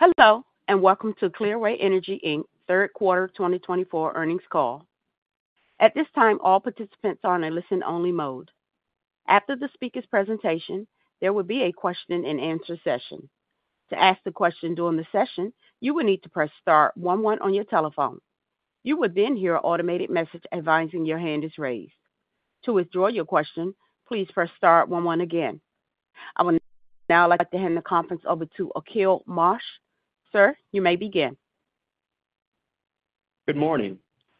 Hello, and welcome to Clearway Energy Inc. Third Quarter 2024 Earnings Call. At this time, all participants are in a listen-only mode. After the speaker's presentation, there will be a question-and-answer session. To ask a question during the session, you will need to press star one one on your telephone. You will then hear an automated message advising your hand is raised. To withdraw your question, please press star one one again. I will now like to hand the conference over to Akil Marsh. Sir, you may begin. Good morning.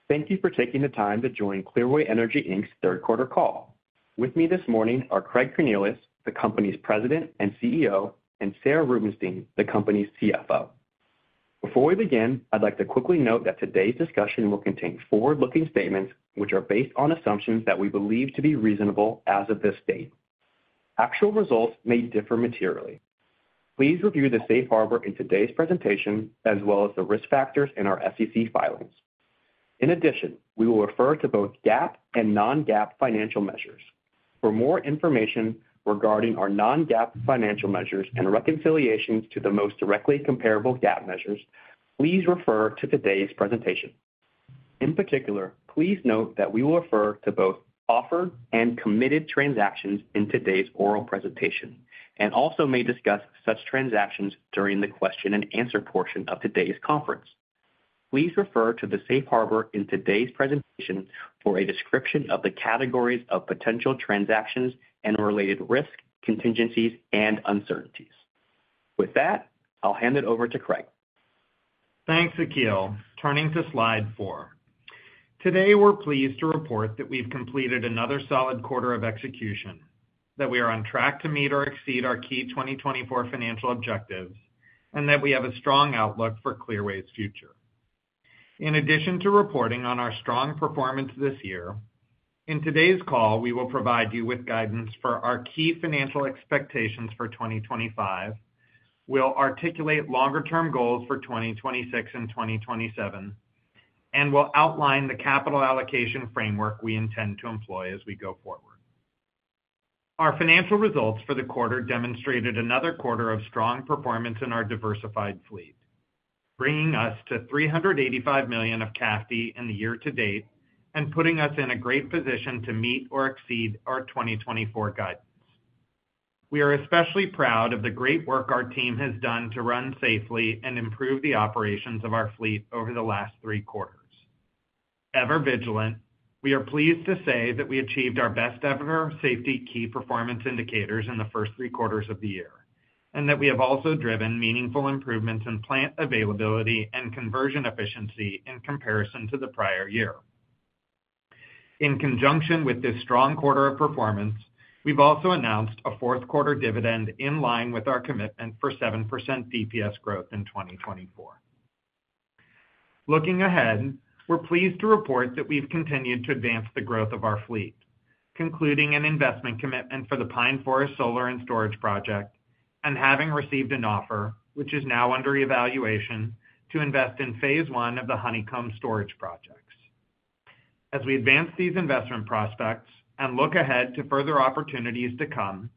Thank you for taking the time to join Clearway Energy Inc.'s third quarter call. With me this morning are Craig Cornelius, the company's President and CEO, and Sarah Rubenstein, the company's CFO. Before we begin, I'd like to quickly note that today's discussion will contain forward-looking statements which are based on assumptions that we believe to be reasonable as of this date. Actual results may differ materially. Please review the safe harbor in today's presentation as well as the risk factors in our SEC filings. In addition, we will refer to both GAAP and non-GAAP financial measures. For more information regarding our non-GAAP financial measures and reconciliations to the most directly comparable GAAP measures, please refer to today's presentation. In particular, please note that we will refer to both offered and committed transactions in today's oral presentation, and also may discuss such transactions during the question-and-answer portion of today's conference. Please refer to the safe harbor in today's presentation for a description of the categories of potential transactions and related risk, contingencies, and uncertainties. With that, I'll hand it over to Craig. Thanks, Akil. Turning to slide four. Today, we're pleased to report that we've completed another solid quarter of execution, that we are on track to meet or exceed our key 2024 financial objectives, and that we have a strong outlook for Clearway's future. In addition to reporting on our strong performance this year, in today's call, we will provide you with guidance for our key financial expectations for 2025, we'll articulate longer-term goals for 2026 and 2027, and we'll outline the capital allocation framework we intend to employ as we go forward. Our financial results for the quarter demonstrated another quarter of strong performance in our diversified fleet, bringing us to $385 million of cash in the year to date and putting us in a great position to meet or exceed our 2024 guidance. We are especially proud of the great work our team has done to run safely and improve the operations of our fleet over the last three quarters. Ever vigilant, we are pleased to say that we achieved our best-ever safety key performance indicators in the first three quarters of the year and that we have also driven meaningful improvements in plant availability and conversion efficiency in comparison to the prior year. In conjunction with this strong quarter of performance, we've also announced a fourth-quarter dividend in line with our commitment for 7% DPS growth in 2024. Looking ahead, we're pleased to report that we've continued to advance the growth of our fleet, concluding an investment commitment for the Pine Forest Solar and Storage project and having received an offer, which is now under evaluation, to invest in Phase I of the Honeycomb storage projects. As we advance these investment prospects and look ahead to further opportunities to come,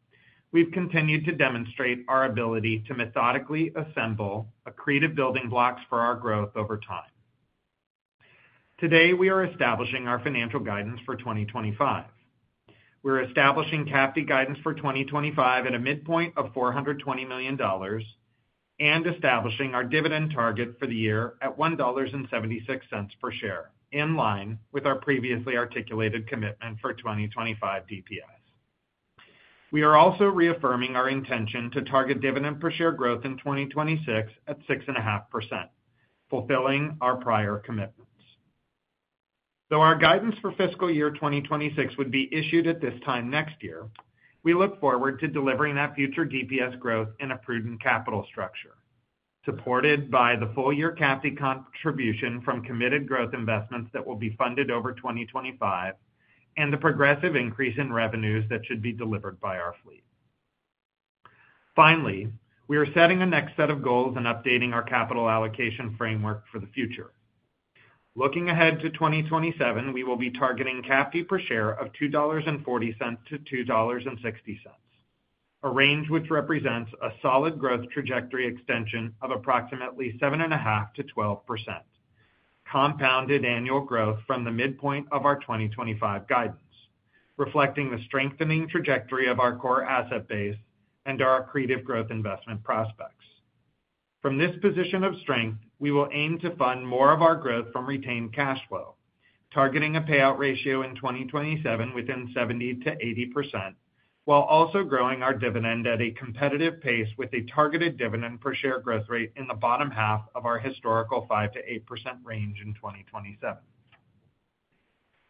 we've continued to demonstrate our ability to methodically assemble accretive building blocks for our growth over time. Today, we are establishing our financial guidance for 2025. We're establishing cash guidance for 2025 at a midpoint of $420 million and establishing our dividend target for the year at $1.76 per share in line with our previously articulated commitment for 2025 DPS. We are also reaffirming our intention to target dividend per share growth in 2026 at 6.5%, fulfilling our prior commitments. Though our guidance for fiscal year 2026 would be issued at this time next year, we look forward to delivering that future DPS growth in a prudent capital structure supported by the full-year cash contribution from committed growth investments that will be funded over 2025 and the progressive increase in revenues that should be delivered by our fleet. Finally, we are setting a next set of goals and updating our capital allocation framework for the future. Looking ahead to 2027, we will be targeting cash per share of $2.40-$2.60, a range which represents a solid growth trajectory extension of approximately 7.5 to 12%, compounded annual growth from the midpoint of our 2025 guidance, reflecting the strengthening trajectory of our core asset base and our creative growth investment prospects. From this position of strength, we will aim to fund more of our growth from retained cash flow, targeting a payout ratio in 2027 within 70%-80%, while also growing our dividend at a competitive pace with a targeted dividend per share growth rate in the bottom half of our historical 5%-8% range in 2027.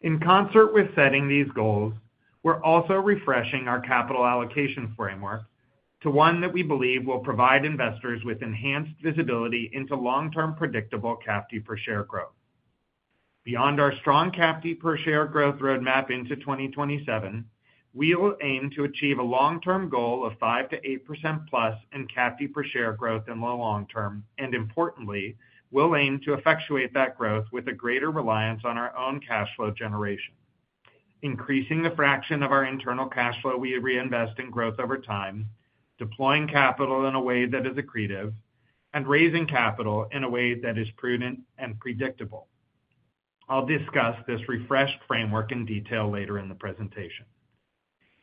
In concert with setting these goals, we're also refreshing our capital allocation framework to one that we believe will provide investors with enhanced visibility into long-term predictable cash per share growth. Beyond our strong cash per share growth roadmap into 2027, we will aim to achieve a long-term goal of 5%-8% plus in cash per share growth in the long term, and importantly, we'll aim to effectuate that growth with a greater reliance on our own cash flow generation. Increasing the fraction of our internal cash flow, we reinvest in growth over time, deploying capital in a way that is accretive and raising capital in a way that is prudent and predictable. I'll discuss this refreshed framework in detail later in the presentation.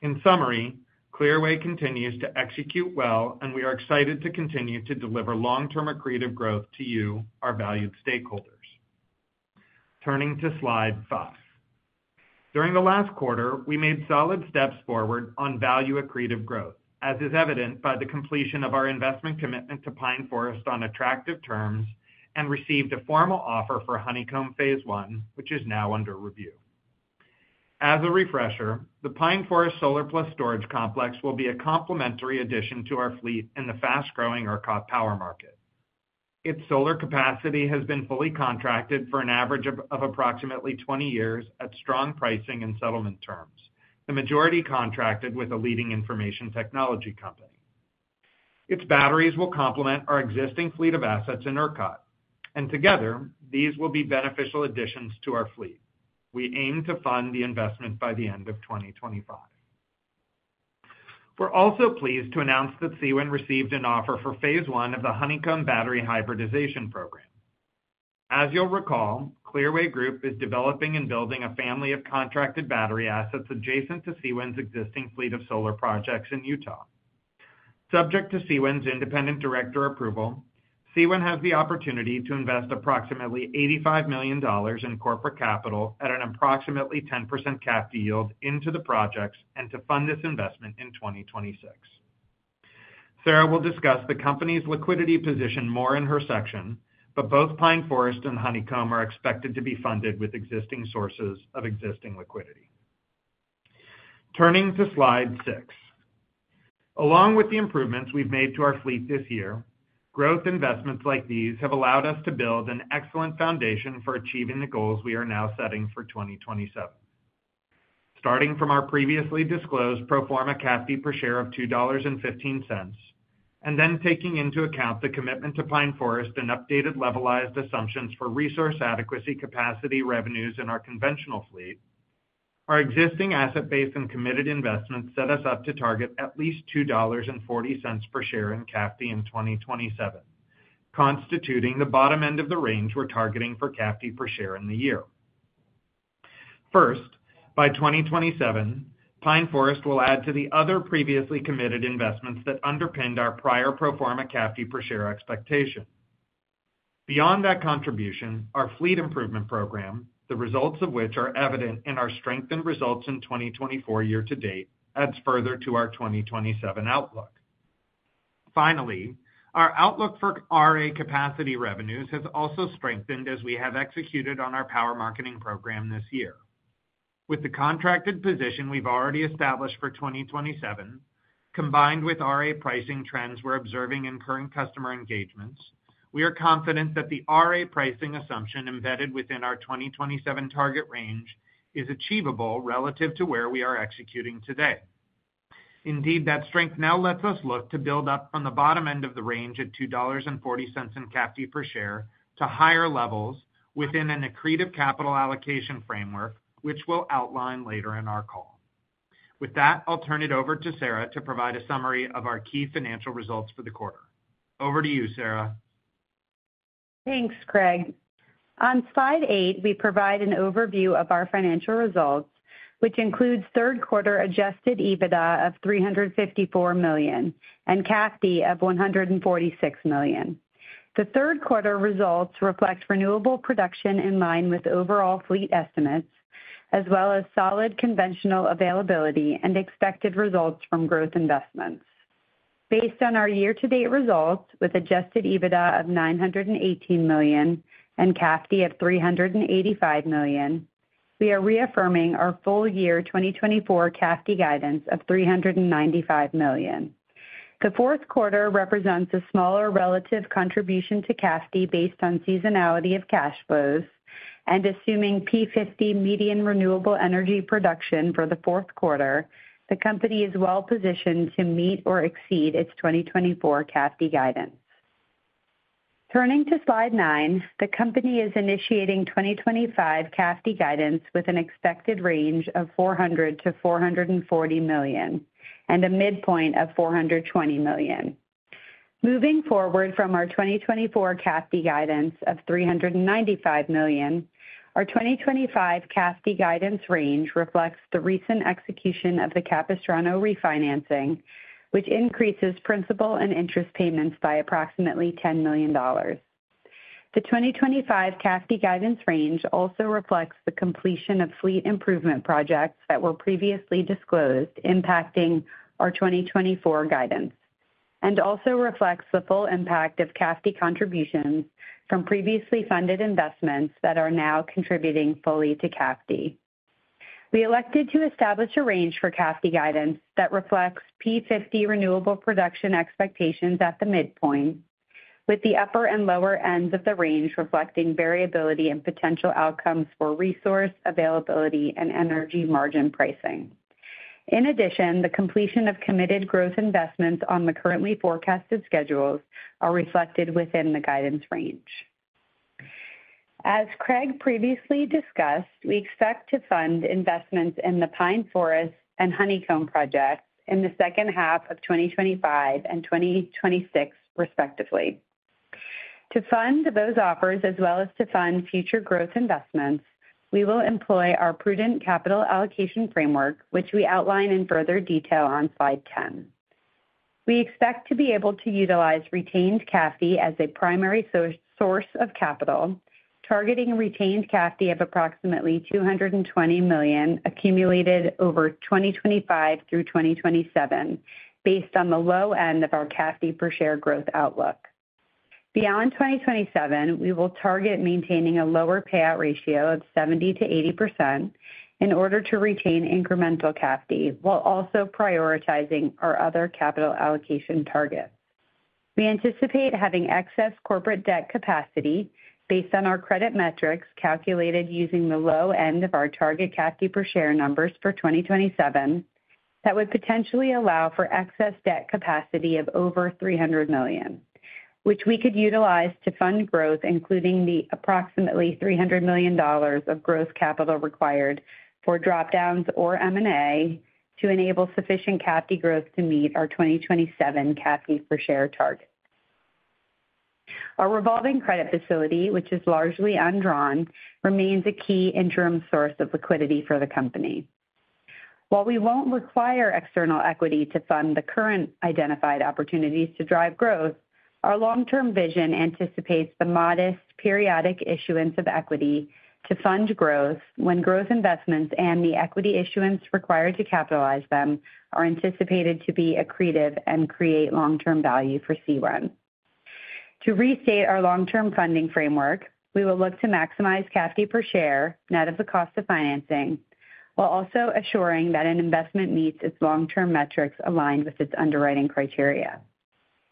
In summary, Clearway continues to execute well, and we are excited to continue to deliver long-term accretive growth to you, our valued stakeholders. Turning to slide five. During the last quarter, we made solid steps forward on value accretive growth, as is evident by the completion of our investment commitment to Pine Forest on attractive terms and received a formal offer for Honeycomb Phase I, which is now under review. As a refresher, the Pine Forest Solar and Storage complex will be a complementary addition to our fleet in the fast-growing ERCOT power market. Its solar capacity has been fully contracted for an average of approximately 20 years at strong pricing and settlement terms, the majority contracted with a leading information technology company. Its batteries will complement our existing fleet of assets in ERCOT, and together, these will be beneficial additions to our fleet. We aim to fund the investment by the end of 2025. We're also pleased to announce that CWEN received an offer for phase I of the Honeycomb battery hybridization program. As you'll recall, Clearway Group is developing and building a family of contracted battery assets adjacent to CWEN's existing fleet of solar projects in Utah. Subject to CWEN's independent director approval, CWEN has the opportunity to invest approximately $85 million in corporate capital at an approximately 10% cash yield into the projects and to fund this investment in 2026. Sarah will discuss the company's liquidity position more in her section, but both Pine Forest and Honeycomb are expected to be funded with existing sources of liquidity. Turning to slide six. Along with the improvements we've made to our fleet this year, growth investments like these have allowed us to build an excellent foundation for achieving the goals we are now setting for 2027. Starting from our previously disclosed pro forma cash per share of $2.15 and then taking into account the commitment to Pine Forest and updated levelized assumptions for resource adequacy capacity revenues in our conventional fleet, our existing asset base and committed investments set us up to target at least $2.40 per share in cash in 2027, constituting the bottom end of the range we're targeting for cash per share in the year. First, by 2027, Pine Forest will add to the other previously committed investments that underpinned our prior pro forma cash per share expectation. Beyond that contribution, our fleet improvement program, the results of which are evident in our strengthened results in 2024 year to date, adds further to our 2027 outlook. Finally, our outlook for RA capacity revenues has also strengthened as we have executed on our power marketing program this year. With the contracted position we've already established for 2027, combined with RA pricing trends we're observing in current customer engagements, we are confident that the RA pricing assumption embedded within our 2027 target range is achievable relative to where we are executing today. Indeed, that strength now lets us look to build up from the bottom end of the range at $2.40 in cash per share to higher levels within an accretive capital allocation framework, which we'll outline later in our call. With that, I'll turn it over to Sarah to provide a summary of our key financial results for the quarter. Over to you, Sarah. Thanks, Craig. On slide eight, we provide an overview of our financial results, which includes third quarter adjusted EBITDA of $354 million and cash of $146 million. The third quarter results reflect renewable production in line with overall fleet estimates, as well as solid conventional availability and expected results from growth investments. Based on our year-to-date results with adjusted EBITDA of $918 million and cash of $385 million, we are reaffirming our full year 2024 cash guidance of $395 million. The fourth quarter represents a smaller relative contribution to cash based on seasonality of cash flows, and assuming P50 median renewable energy production for the fourth quarter, the company is well positioned to meet or exceed its 2024 cash guidance. Turning to slide nine, the company is initiating 2025 cash guidance with an expected range of $400-$440 million and a midpoint of $420 million. Moving forward from our 2024 cash guidance of $395 million, our 2025 cash guidance range reflects the recent execution of the Capistrano refinancing, which increases principal and interest payments by approximately $10 million. The 2025 cash guidance range also reflects the completion of fleet improvement projects that were previously disclosed, impacting our 2024 guidance, and also reflects the full impact of cash contributions from previously funded investments that are now contributing fully to cash. We elected to establish a range for cash guidance that reflects P50 renewable production expectations at the midpoint, with the upper and lower ends of the range reflecting variability and potential outcomes for resource availability and energy margin pricing. In addition, the completion of committed growth investments on the currently forecasted schedules are reflected within the guidance range. As Craig previously discussed, we expect to fund investments in the Pine Forest and Honeycomb projects in the second half of 2025 and 2026, respectively. To fund those offers, as well as to fund future growth investments, we will employ our prudent capital allocation framework, which we outline in further detail on slide 10. We expect to be able to utilize retained cash as a primary source of capital, targeting retained cash of approximately $220 million accumulated over 2025 through 2027, based on the low end of our cash per share growth outlook. Beyond 2027, we will target maintaining a lower payout ratio of 70%-80% in order to retain incremental cash while also prioritizing our other capital allocation targets. We anticipate having excess corporate debt capacity based on our credit metrics calculated using the low end of our target cash per share numbers for 2027 that would potentially allow for excess debt capacity of over $300 million, which we could utilize to fund growth, including the approximately $300 million of gross capital required for dropdowns or M&A to enable sufficient cash growth to meet our 2027 cash per share target. Our revolving credit facility, which is largely undrawn, remains a key interim source of liquidity for the company. While we won't require external equity to fund the current identified opportunities to drive growth, our long-term vision anticipates the modest periodic issuance of equity to fund growth when growth investments and the equity issuance required to capitalize them are anticipated to be accretive and create long-term value for CWEN. To restate our long-term funding framework, we will look to maximize cash per share net of the cost of financing while also assuring that an investment meets its long-term metrics aligned with its underwriting criteria.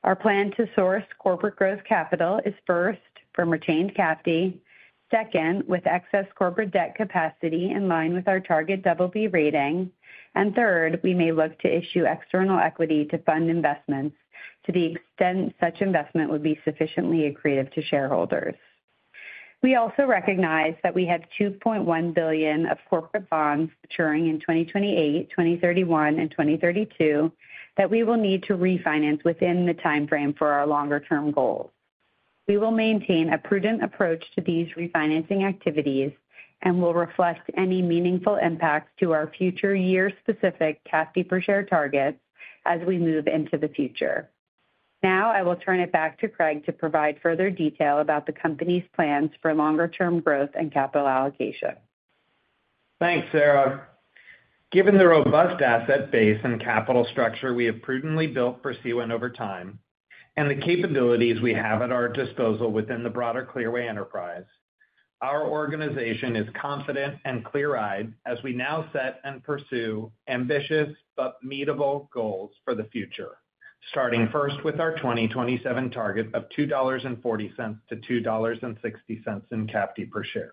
Our plan to source corporate growth capital is first from retained cash, second, with excess corporate debt capacity in line with our target BB rating, and third, we may look to issue external equity to fund investments to the extent such investment would be sufficiently accretive to shareholders. We also recognize that we have $2.1 billion of corporate bonds maturing in 2028, 2031, and 2032 that we will need to refinance within the timeframe for our longer-term goals. We will maintain a prudent approach to these refinancing activities and will reflect any meaningful impacts to our future year-specific cash per share targets as we move into the future. Now, I will turn it back to Craig to provide further detail about the company's plans for longer-term growth and capital allocation. Thanks, Sarah. Given the robust asset base and capital structure we have prudently built for CWEN over time and the capabilities we have at our disposal within the broader Clearway Enterprise, our organization is confident and clear-eyed as we now set and pursue ambitious but meetable goals for the future, starting first with our 2027 target of $2.40-$2.60 in cash per share.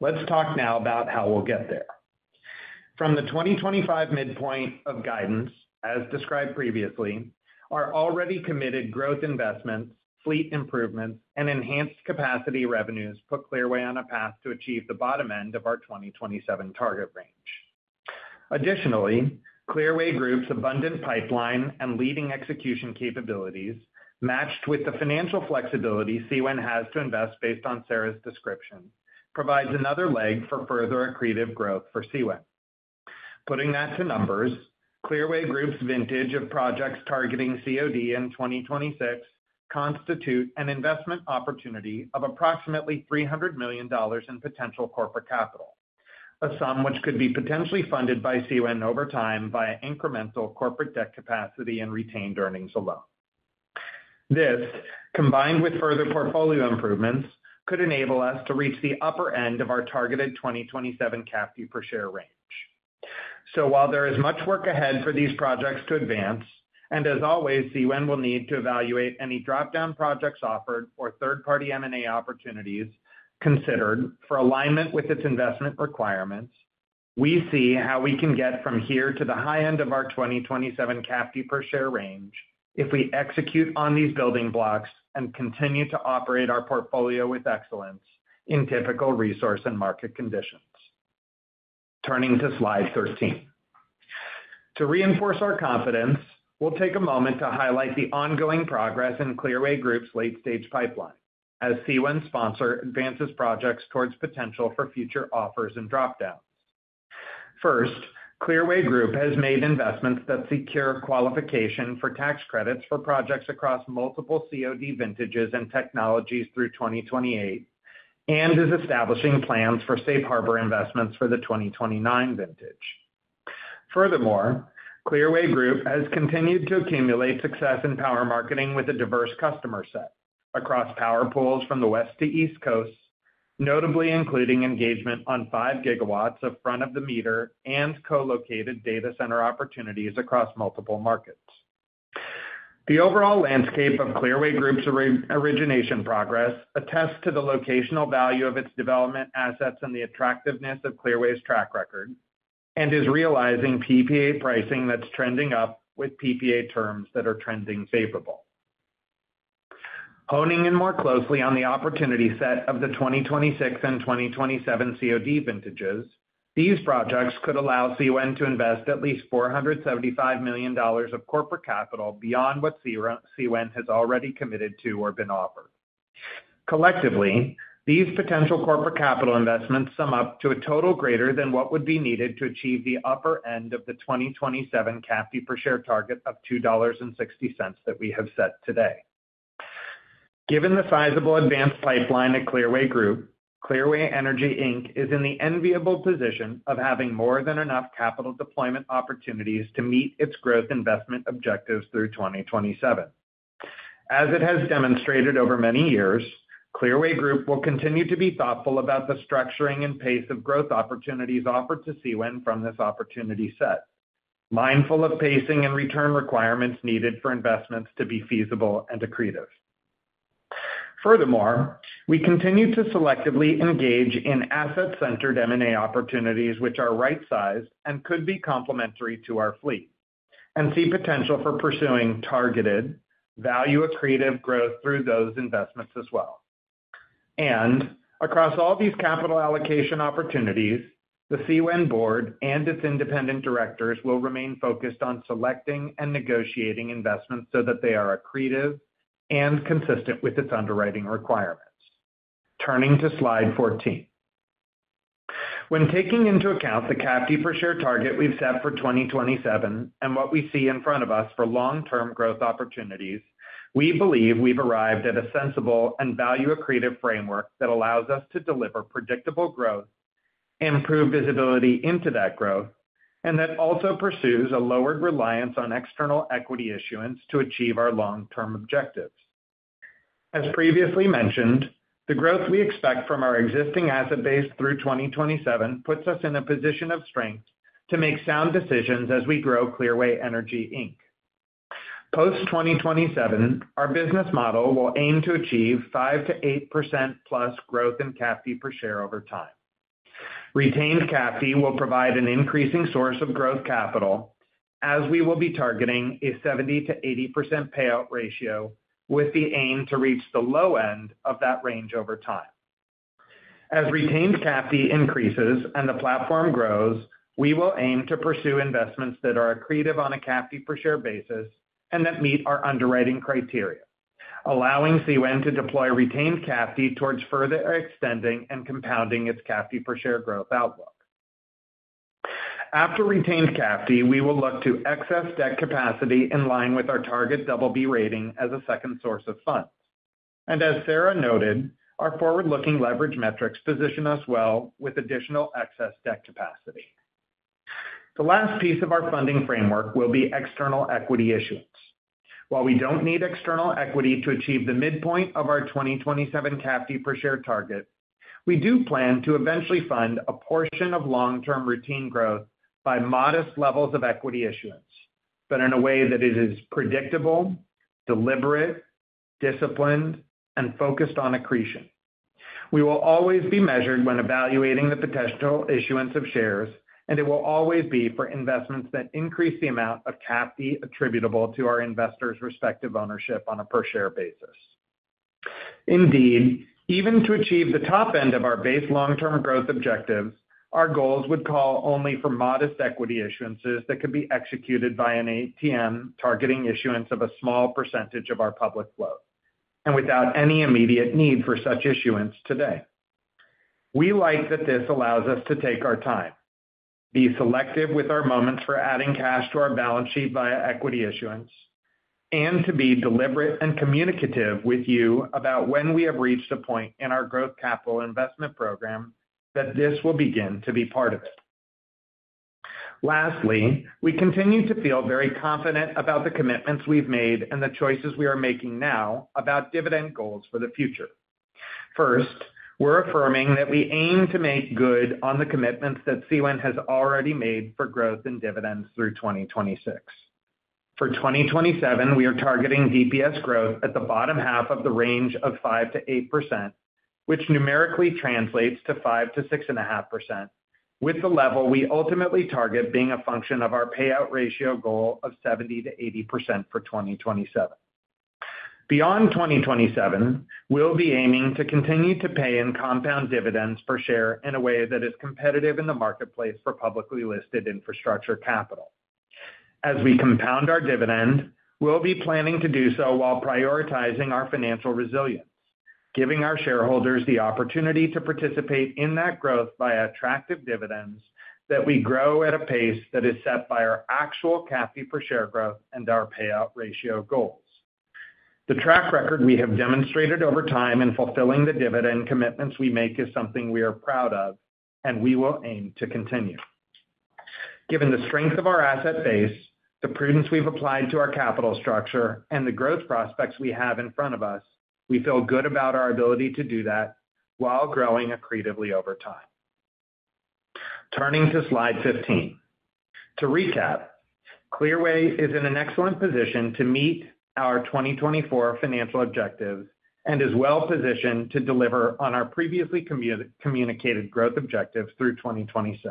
Let's talk now about how we'll get there. From the 2025 midpoint of guidance, as described previously, our already committed growth investments, fleet improvements, and enhanced capacity revenues put Clearway on a path to achieve the bottom end of our 2027 target range. Additionally, Clearway Group's abundant pipeline and leading execution capabilities, matched with the financial flexibility CWEN has to invest based on Sarah's description, provides another leg for further accretive growth for CWEN. Putting that to numbers, Clearway Group's vintage of projects targeting COD in 2026 constitute an investment opportunity of approximately $300 million in potential corporate capital, a sum which could be potentially funded by CWEN over time via incremental corporate debt capacity and retained earnings alone. This, combined with further portfolio improvements, could enable us to reach the upper end of our targeted 2027 cash per share range. So, while there is much work ahead for these projects to advance, and as always, CWEN will need to evaluate any dropdown projects offered or third-party M&A opportunities considered for alignment with its investment requirements, we see how we can get from here to the high end of our 2027 cash per share range if we execute on these building blocks and continue to operate our portfolio with excellence in typical resource and market conditions. Turning to slide 13. To reinforce our confidence, we'll take a moment to highlight the ongoing progress in Clearway Group's late-stage pipeline as CWEN sponsor advances projects towards potential for future offers and dropdowns. First, Clearway Group has made investments that secure qualification for tax credits for projects across multiple COD vintages and technologies through 2028 and is establishing plans for safe harbor investments for the 2029 vintage. Furthermore, Clearway Group has continued to accumulate success in power marketing with a diverse customer set across power pools from the West Coast to East Coast, notably including engagement on five gigawatts of front-of-the-meter and co-located data center opportunities across multiple markets. The overall landscape of Clearway Group's origination progress attests to the locational value of its development assets and the attractiveness of Clearway's track record and is realizing PPA pricing that's trending up with PPA terms that are trending favorable. Honing in more closely on the opportunity set of the 2026 and 2027 COD vintages, these projects could allow CWEN to invest at least $475 million of corporate capital beyond what CWEN has already committed to or been offered. Collectively, these potential corporate capital investments sum up to a total greater than what would be needed to achieve the upper end of the 2027 cash per share target of $2.60 that we have set today. Given the sizable advanced pipeline at Clearway Group, Clearway Energy Inc. is in the enviable position of having more than enough capital deployment opportunities to meet its growth investment objectives through 2027. As it has demonstrated over many years, Clearway Group will continue to be thoughtful about the structuring and pace of growth opportunities offered to CWEN from this opportunity set, mindful of pacing and return requirements needed for investments to be feasible and accretive. Furthermore, we continue to selectively engage in asset-centered M&A opportunities, which are right-sized and could be complementary to our fleet, and see potential for pursuing targeted, value-accretive growth through those investments as well, and across all these capital allocation opportunities, the CWEN board and its independent directors will remain focused on selecting and negotiating investments so that they are accretive and consistent with its underwriting requirements. Turning to slide 14. When taking into account the cash per share target we've set for 2027 and what we see in front of us for long-term growth opportunities, we believe we've arrived at a sensible and value-accretive framework that allows us to deliver predictable growth, improve visibility into that growth, and that also pursues a lowered reliance on external equity issuance to achieve our long-term objectives. As previously mentioned, the growth we expect from our existing asset base through 2027 puts us in a position of strength to make sound decisions as we grow Clearway Energy Inc. Post-2027, our business model will aim to achieve 5%-8% plus growth in cash per share over time. Retained cash will provide an increasing source of growth capital as we will be targeting a 70%-80% payout ratio with the aim to reach the low end of that range over time. As retained cash increases and the platform grows, we will aim to pursue investments that are accretive on a cash per share basis and that meet our underwriting criteria, allowing CWEN to deploy retained cash towards further extending and compounding its cash per share growth outlook. After retained cash, we will look to excess debt capacity in line with our target BB rating as a second source of funds, and as Sarah noted, our forward-looking leverage metrics position us well with additional excess debt capacity. The last piece of our funding framework will be external equity issuance. While we don't need external equity to achieve the midpoint of our 2027 cash per share target, we do plan to eventually fund a portion of long-term routine growth by modest levels of equity issuance, but in a way that it is predictable, deliberate, disciplined, and focused on accretion. We will always be measured when evaluating the potential issuance of shares, and it will always be for investments that increase the amount of cash attributable to our investors' respective ownership on a per share basis. Indeed, even to achieve the top end of our base long-term growth objectives, our goals would call only for modest equity issuances that could be executed via an ATM targeting issuance of a small percentage of our public float and without any immediate need for such issuance today. We like that this allows us to take our time, be selective with our moments for adding cash to our balance sheet via equity issuance, and to be deliberate and communicative with you about when we have reached a point in our growth capital investment program that this will begin to be part of it. Lastly, we continue to feel very confident about the commitments we've made and the choices we are making now about dividend goals for the future. First, we're affirming that we aim to make good on the commitments that CWEN has already made for growth and dividends through 2026. For 2027, we are targeting DPS growth at the bottom half of the range of 5%-8%, which numerically translates to 5%-6.5%, with the level we ultimately target being a function of our payout ratio goal of 70%-80% for 2027. Beyond 2027, we'll be aiming to continue to pay in compound dividends per share in a way that is competitive in the marketplace for publicly listed infrastructure capital. As we compound our dividend, we'll be planning to do so while prioritizing our financial resilience, giving our shareholders the opportunity to participate in that growth via attractive dividends that we grow at a pace that is set by our actual cash per share growth and our payout ratio goals. The track record we have demonstrated over time in fulfilling the dividend commitments we make is something we are proud of, and we will aim to continue. Given the strength of our asset base, the prudence we've applied to our capital structure, and the growth prospects we have in front of us, we feel good about our ability to do that while growing accretively over time. Turning to slide 15. To recap, Clearway is in an excellent position to meet our 2024 financial objectives and is well positioned to deliver on our previously communicated growth objectives through 2026.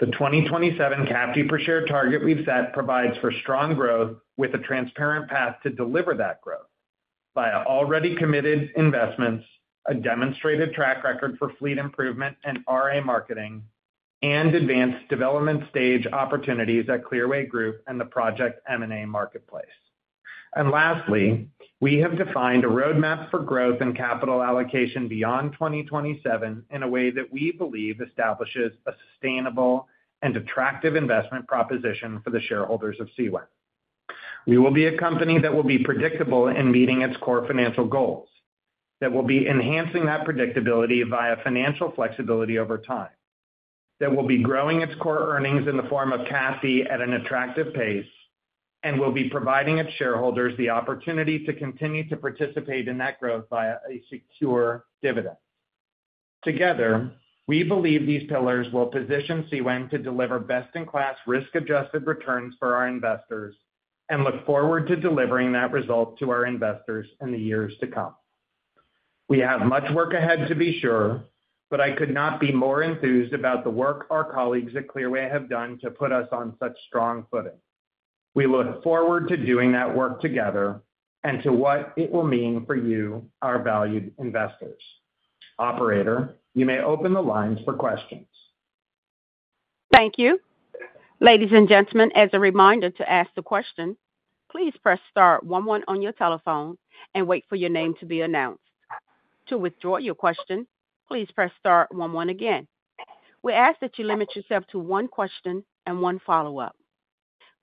The 2027 cash per share target we've set provides for strong growth with a transparent path to deliver that growth via already committed investments, a demonstrated track record for fleet improvement and RA marketing, and advanced development stage opportunities at Clearway Group and the project M&A marketplace. Lastly, we have defined a roadmap for growth and capital allocation beyond 2027 in a way that we believe establishes a sustainable and attractive investment proposition for the shareholders of CWEN. We will be a company that will be predictable in meeting its core financial goals, that will be enhancing that predictability via financial flexibility over time, that will be growing its core earnings in the form of cash at an attractive pace, and will be providing its shareholders the opportunity to continue to participate in that growth via a secure dividend. Together, we believe these pillars will position CWEN to deliver best-in-class risk-adjusted returns for our investors and look forward to delivering that result to our investors in the years to come. We have much work ahead, to be sure, but I could not be more enthused about the work our colleagues at Clearway have done to put us on such strong footing. We look forward to doing that work together and to what it will mean for you, our valued investors. Operator, you may open the lines for questions. Thank you. Ladies and gentlemen, as a reminder to ask the question, please press star one one on your telephone and wait for your name to be announced. To withdraw your question, please press star one one again. We ask that you limit yourself to one question and one follow-up.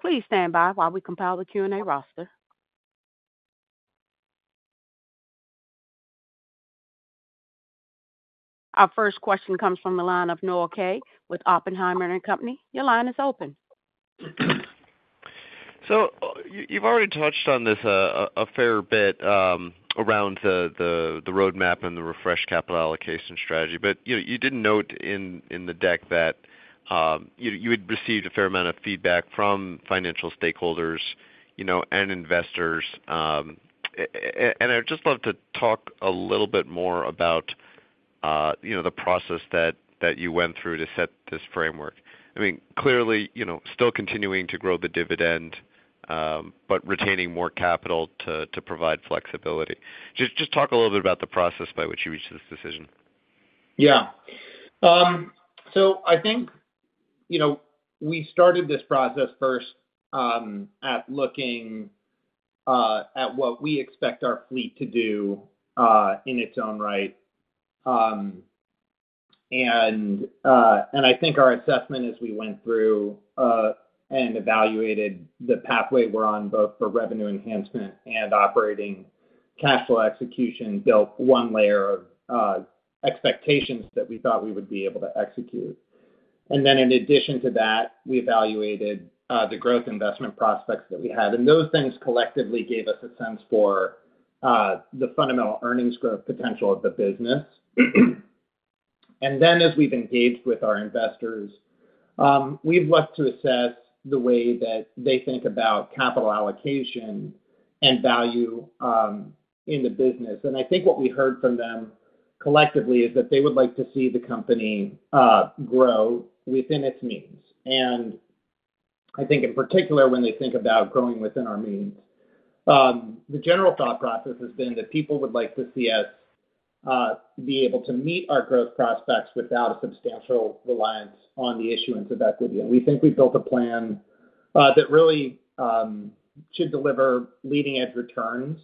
Please stand by while we compile the Q&A roster. Our first question comes from the line of Noah Kaye with Oppenheimer & Co. Your line is open. So you've already touched on this a fair bit around the roadmap and the refreshed capital allocation strategy, but you did note in the deck that you had received a fair amount of feedback from financial stakeholders and investors. And I'd just love to talk a little bit more about the process that you went through to set this framework. I mean, clearly, still continuing to grow the dividend, but retaining more capital to provide flexibility. Just talk a little bit about the process by which you reached this decision. Yeah. So I think we started this process first at looking at what we expect our fleet to do in its own right. And I think our assessment as we went through and evaluated the pathway we're on both for revenue enhancement and operating cash flow execution built one layer of expectations that we thought we would be able to execute. And then in addition to that, we evaluated the growth investment prospects that we had. And those things collectively gave us a sense for the fundamental earnings growth potential of the business. And then as we've engaged with our investors, we've looked to assess the way that they think about capital allocation and value in the business. And I think what we heard from them collectively is that they would like to see the company grow within its means. I think in particular, when they think about growing within our means, the general thought process has been that people would like to see us be able to meet our growth prospects without a substantial reliance on the issuance of equity. We think we built a plan that really should deliver leading-edge returns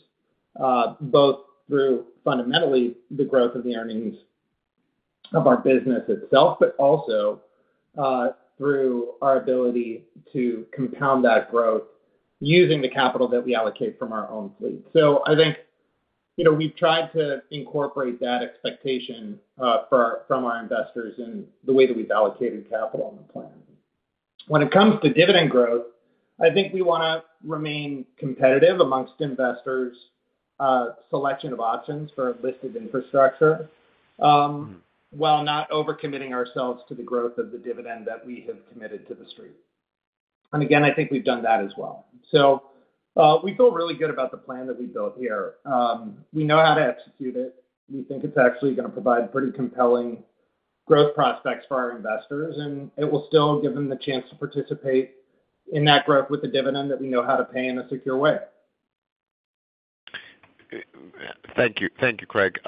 both through fundamentally the growth of the earnings of our business itself, but also through our ability to compound that growth using the capital that we allocate from our own fleet. I think we've tried to incorporate that expectation from our investors in the way that we've allocated capital on the plan. When it comes to dividend growth, I think we want to remain competitive amongst investors' selection of options for listed infrastructure while not overcommitting ourselves to the growth of the dividend that we have committed to the street. And again, I think we've done that as well. So we feel really good about the plan that we built here. We know how to execute it. We think it's actually going to provide pretty compelling growth prospects for our investors, and it will still give them the chance to participate in that growth with the dividend that we know how to pay in a secure way. Thank you, Craig.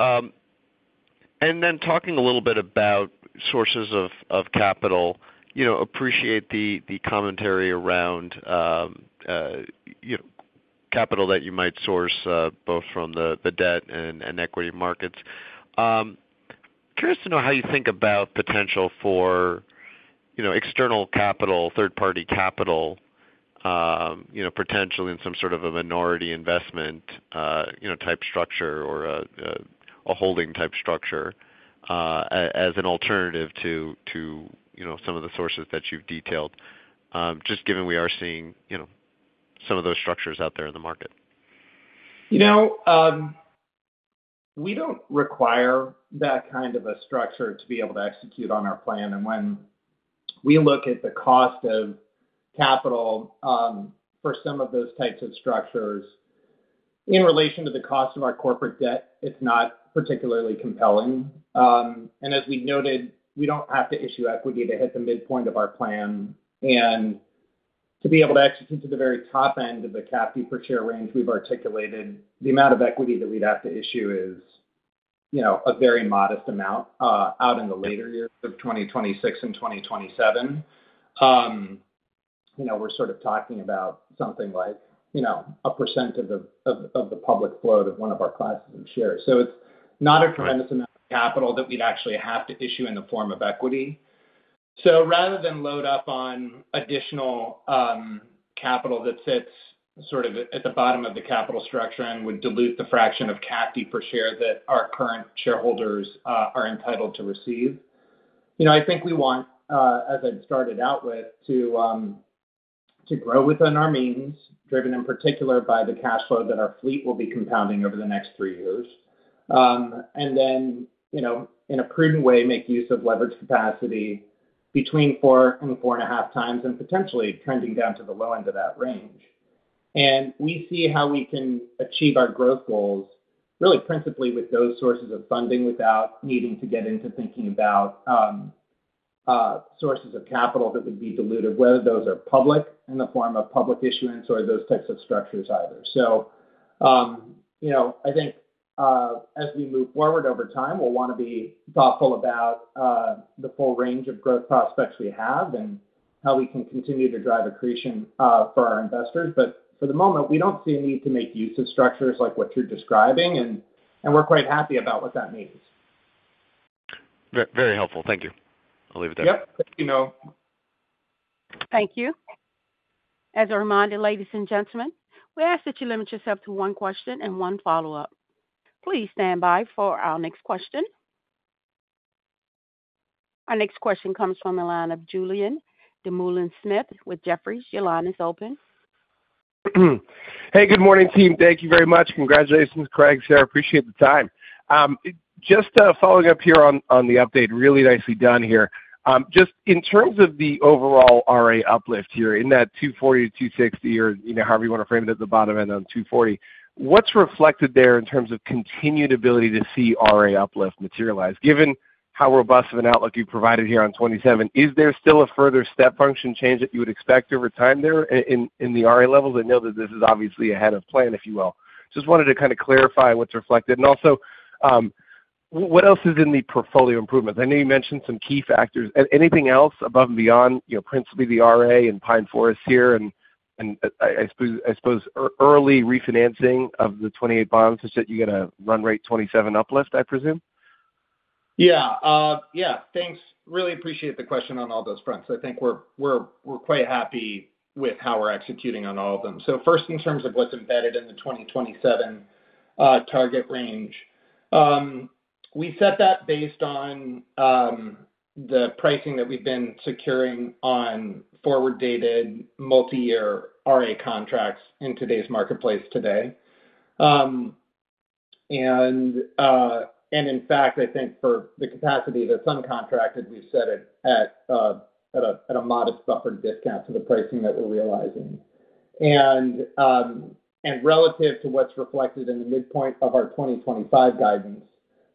And then talking a little bit about sources of capital, appreciate the commentary around capital that you might source both from the debt and equity markets. Curious to know how you think about potential for external capital, third-party capital, potentially in some sort of a minority investment type structure or a holding type structure as an alternative to some of the sources that you've detailed, just given we are seeing some of those structures out there in the market. We don't require that kind of a structure to be able to execute on our plan. And when we look at the cost of capital for some of those types of structures in relation to the cost of our corporate debt, it's not particularly compelling. And as we noted, we don't have to issue equity to hit the midpoint of our plan. And to be able to execute to the very top end of the cash per share range we've articulated, the amount of equity that we'd have to issue is a very modest amount out in the later years of 2026 and 2027. We're sort of talking about something like 1% of the public float to one of our classes of shares. So it's not a tremendous amount of capital that we'd actually have to issue in the form of equity. So rather than load up on additional capital that sits sort of at the bottom of the capital structure and would dilute the fraction of cash per share that our current shareholders are entitled to receive, I think we want, as I'd started out with, to grow within our means, driven in particular by the cash flow that our fleet will be compounding over the next three years. And then in a prudent way, make use of leverage capacity between 4 and 4.5 times and potentially trending down to the low end of that range. And we see how we can achieve our growth goals really principally with those sources of funding without needing to get into thinking about sources of capital that would be diluted, whether those are public in the form of public issuance or those types of structures either. So I think as we move forward over time, we'll want to be thoughtful about the full range of growth prospects we have and how we can continue to drive accretion for our investors. But for the moment, we don't see a need to make use of structures like what you're describing, and we're quite happy about what that means. Very helpful. Thank you. I'll leave it there. Yep. Thank you, Noah. Thank you. As a reminder, ladies and gentlemen, we ask that you limit yourself to one question and one follow-up. Please stand by for our next question. Our next question comes from the line of Julien Dumoulin-Smith with Jefferies. Your line is open. Hey, good morning, team. Thank you very much. Congratulations, Craig and Sarah. Appreciate the time. Just following up here on the update, really nicely done here. Just in terms of the overall RA uplift here in that 240-260 or however you want to frame it at the bottom end on 240, what's reflected there in terms of continued ability to see RA uplift materialize? Given how robust of an outlook you've provided here on 27, is there still a further step function change that you would expect over time there in the RA levels? I know that this is obviously ahead of plan, if you will. Just wanted to kind of clarify what's reflected. And also, what else is in the portfolio improvements? I know you mentioned some key factors. Anything else above and beyond principally the RA and Pine Forest here and I suppose early refinancing of the 28 bonds such that you get a run rate 27 uplift, I presume? Yeah. Yeah. Thanks. Really appreciate the question on all those fronts. I think we're quite happy with how we're executing on all of them. So first, in terms of what's embedded in the 2027 target range, we set that based on the pricing that we've been securing on forward-dated multi-year RA contracts in today's marketplace. And in fact, I think for the capacity that's uncontracted, we've set it at a modest buffered discount to the pricing that we're realizing. And relative to what's reflected in the midpoint of our 2025 guidance,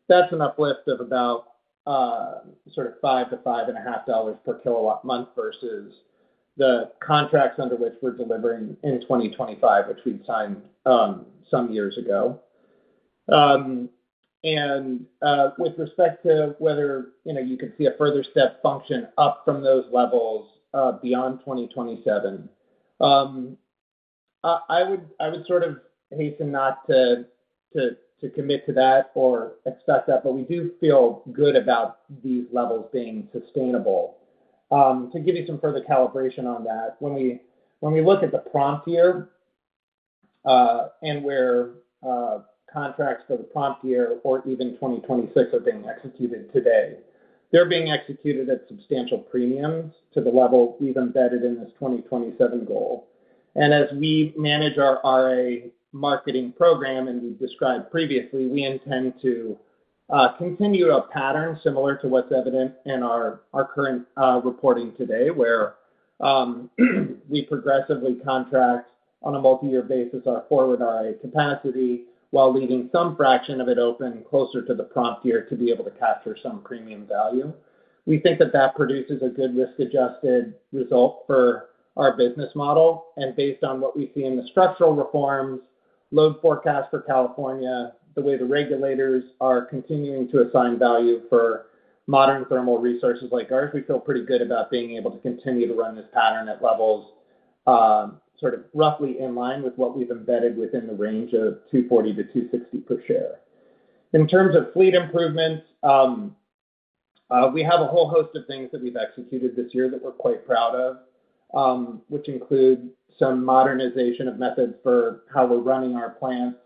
that's an uplift of about sort of $5-$5.5 per kilowatt-month versus the contracts under which we're delivering in 2025, which we signed some years ago. And with respect to whether you could see a further step function up from those levels beyond 2027, I would sort of hasten not to commit to that or expect that, but we do feel good about these levels being sustainable. To give you some further calibration on that, when we look at the prompt year and where contracts for the prompt year or even 2026 are being executed today, they're being executed at substantial premiums to the level we've embedded in this 2027 goal. And as we manage our RA marketing program, and we've described previously, we intend to continue a pattern similar to what's evident in our current reporting today, where we progressively contract on a multi-year basis our forward RA capacity while leaving some fraction of it open closer to the prompt year to be able to capture some premium value. We think that that produces a good risk-adjusted result for our business model. And based on what we see in the structural reforms, load forecast for California, the way the regulators are continuing to assign value for modern thermal resources like ours, we feel pretty good about being able to continue to run this pattern at levels sort of roughly in line with what we've embedded within the range of $240-$260 per share. In terms of fleet improvements, we have a whole host of things that we've executed this year that we're quite proud of, which include some modernization of methods for how we're running our plants.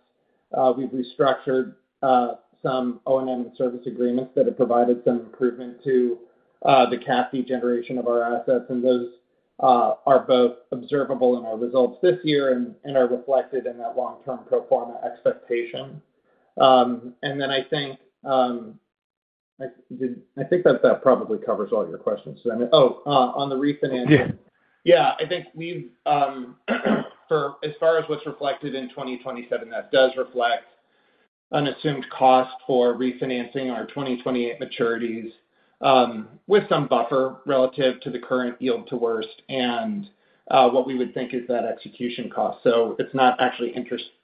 We've restructured some O&M and service agreements that have provided some improvement to the cash flow generation of our assets. And those are both observable in our results this year and are reflected in that long-term pro forma expectation. And then I think that probably covers all your questions. Oh, on the refinancing. Yeah. I think as far as what's reflected in 2027, that does reflect an assumed cost for refinancing our 2028 maturities with some buffer relative to the current yield to worst and what we would think is that execution cost. So it's not actually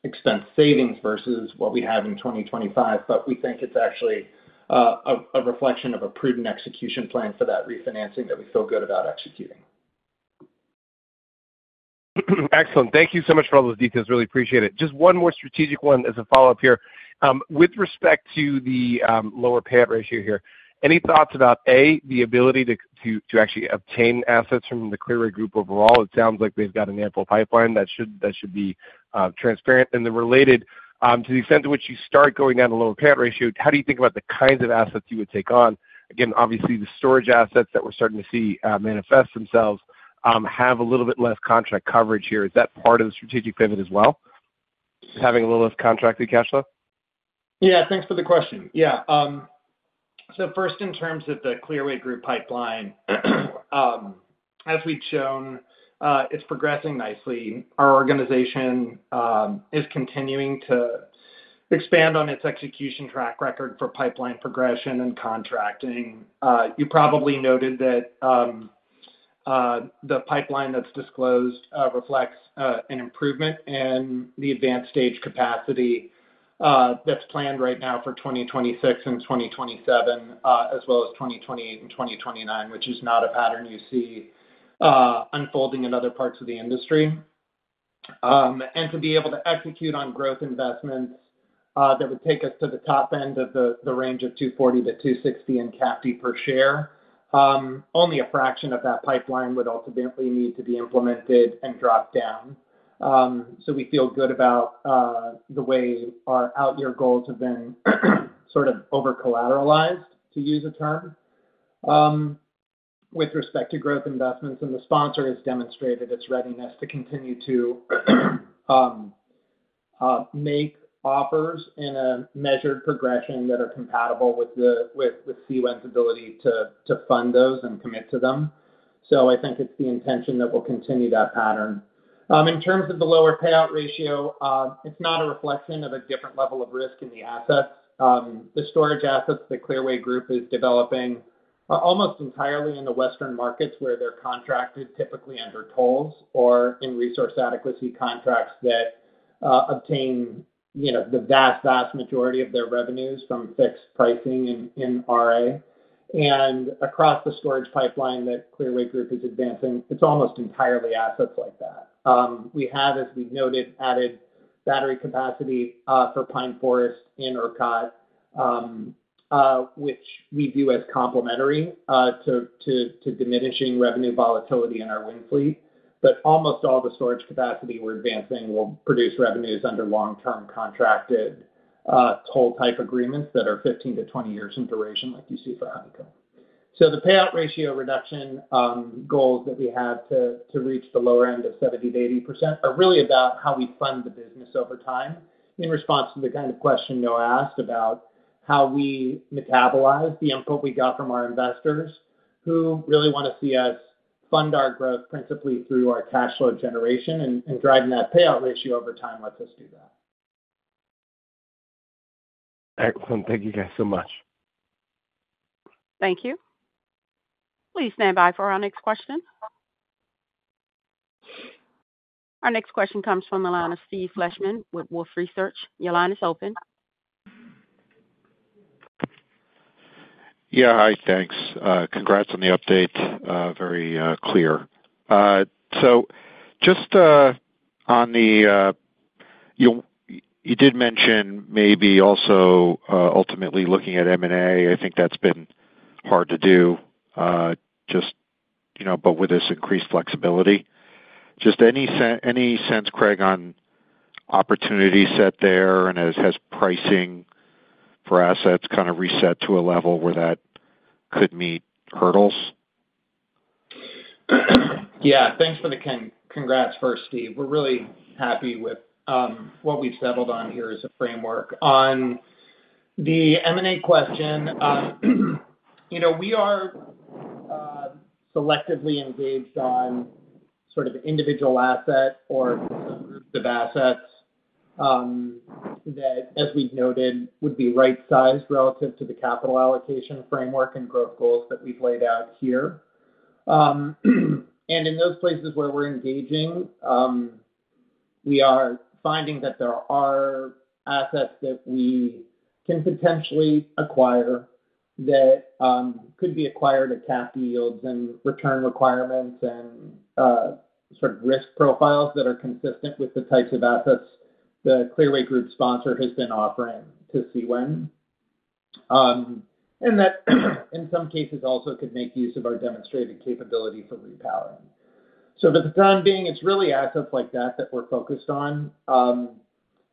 expense savings versus what we have in 2025, but we think it's actually a reflection of a prudent execution plan for that refinancing that we feel good about executing. Excellent. Thank you so much for all those details. Really appreciate it. Just one more strategic one as a follow-up here. With respect to the lower payout ratio here, any thoughts about, A, the ability to actually obtain assets from the Clearway Group overall? It sounds like they've got an ample pipeline. That should be transparent. Then, related to the extent to which you start going down a lower payout ratio, how do you think about the kinds of assets you would take on? Again, obviously, the storage assets that we're starting to see manifest themselves have a little bit less contract coverage here. Is that part of the strategic pivot as well? Having a little less contracted cash flow? Yeah. Thanks for the question. Yeah. So first, in terms of the Clearway Group pipeline, as we've shown, it's progressing nicely. Our organization is continuing to expand on its execution track record for pipeline progression and contracting. You probably noted that the pipeline that's disclosed reflects an improvement in the advanced stage capacity that's planned right now for 2026 and 2027, as well as 2028 and 2029, which is not a pattern you see unfolding in other parts of the industry. And to be able to execute on growth investments that would take us to the top end of the range of $2.40-$2.60 in CAFD per share, only a fraction of that pipeline would ultimately need to be implemented and dropped down. So we feel good about the way our out-year goals have been sort of over-collateralized, to use a term, with respect to growth investments. And the sponsor has demonstrated its readiness to continue to make offers in a measured progression that are compatible with CWEN's ability to fund those and commit to them. So I think it's the intention that we'll continue that pattern. In terms of the lower payout ratio, it's not a reflection of a different level of risk in the assets. The storage assets that Clearway Group is developing are almost entirely in the Western markets where they're contracted typically under tolls or in resource adequacy contracts that obtain the vast, vast majority of their revenues from fixed pricing in RA. Across the storage pipeline that Clearway Group is advancing, it's almost entirely assets like that. We have, as we noted, added battery capacity for Pine Forest and ERCOT, which we view as complementary to diminishing revenue volatility in our wind fleet. Almost all the storage capacity we're advancing will produce revenues under long-term contracted toll-type agreements that are 15-20 years in duration, like you see for Honeycomb. So the payout ratio reduction goals that we have to reach the lower end of 70%-80% are really about how we fund the business over time in response to the kind of question Noah asked about how we metabolize the input we got from our investors who really want to see us fund our growth principally through our cash flow generation. And driving that payout ratio over time lets us do that. Excellent. Thank you guys so much. Thank you. Please stand by for our next question. Our next question comes from the line of Steve Fleishman with Wolfe Research. Your line is open. Yeah. Hi. Thanks. Congrats on the update. Very clear. So just on the you did mention maybe also ultimately looking at M&A. I think that's been hard to do, but with this increased flexibility. Just any sense, Craig, on opportunity set there and has pricing for assets kind of reset to a level where that could meet hurdles? Yeah. Thanks for the congrats first, Steve. We're really happy with what we've settled on here as a framework. On the M&A question, we are selectively engaged on sort of individual asset or groups of assets that, as we've noted, would be right-sized relative to the capital allocation framework and growth goals that we've laid out here. And in those places where we're engaging, we are finding that there are assets that we can potentially acquire that could be acquired at CAFD yields and return requirements and sort of risk profiles that are consistent with the types of assets the Clearway Group sponsor has been offering to CWEN. And that, in some cases, also could make use of our demonstrated capability for repowering. So for the time being, it's really assets like that that we're focused on.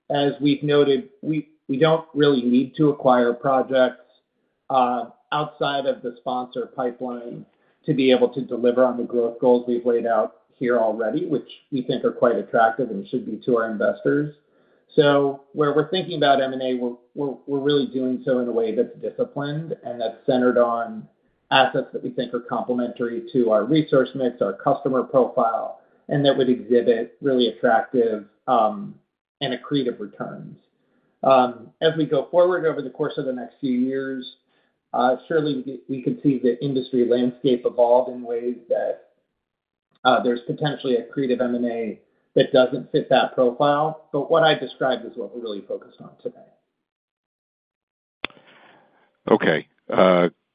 As we've noted, we don't really need to acquire projects outside of the sponsor pipeline to be able to deliver on the growth goals we've laid out here already, which we think are quite attractive and should be to our investors. So where we're thinking about M&A, we're really doing so in a way that's disciplined and that's centered on assets that we think are complementary to our resource mix, our customer profile, and that would exhibit really attractive and accretive returns. As we go forward over the course of the next few years, surely we could see the industry landscape evolve in ways that there's potentially accretive M&A that doesn't fit that profile. But what I described is what we're really focused on today. Okay.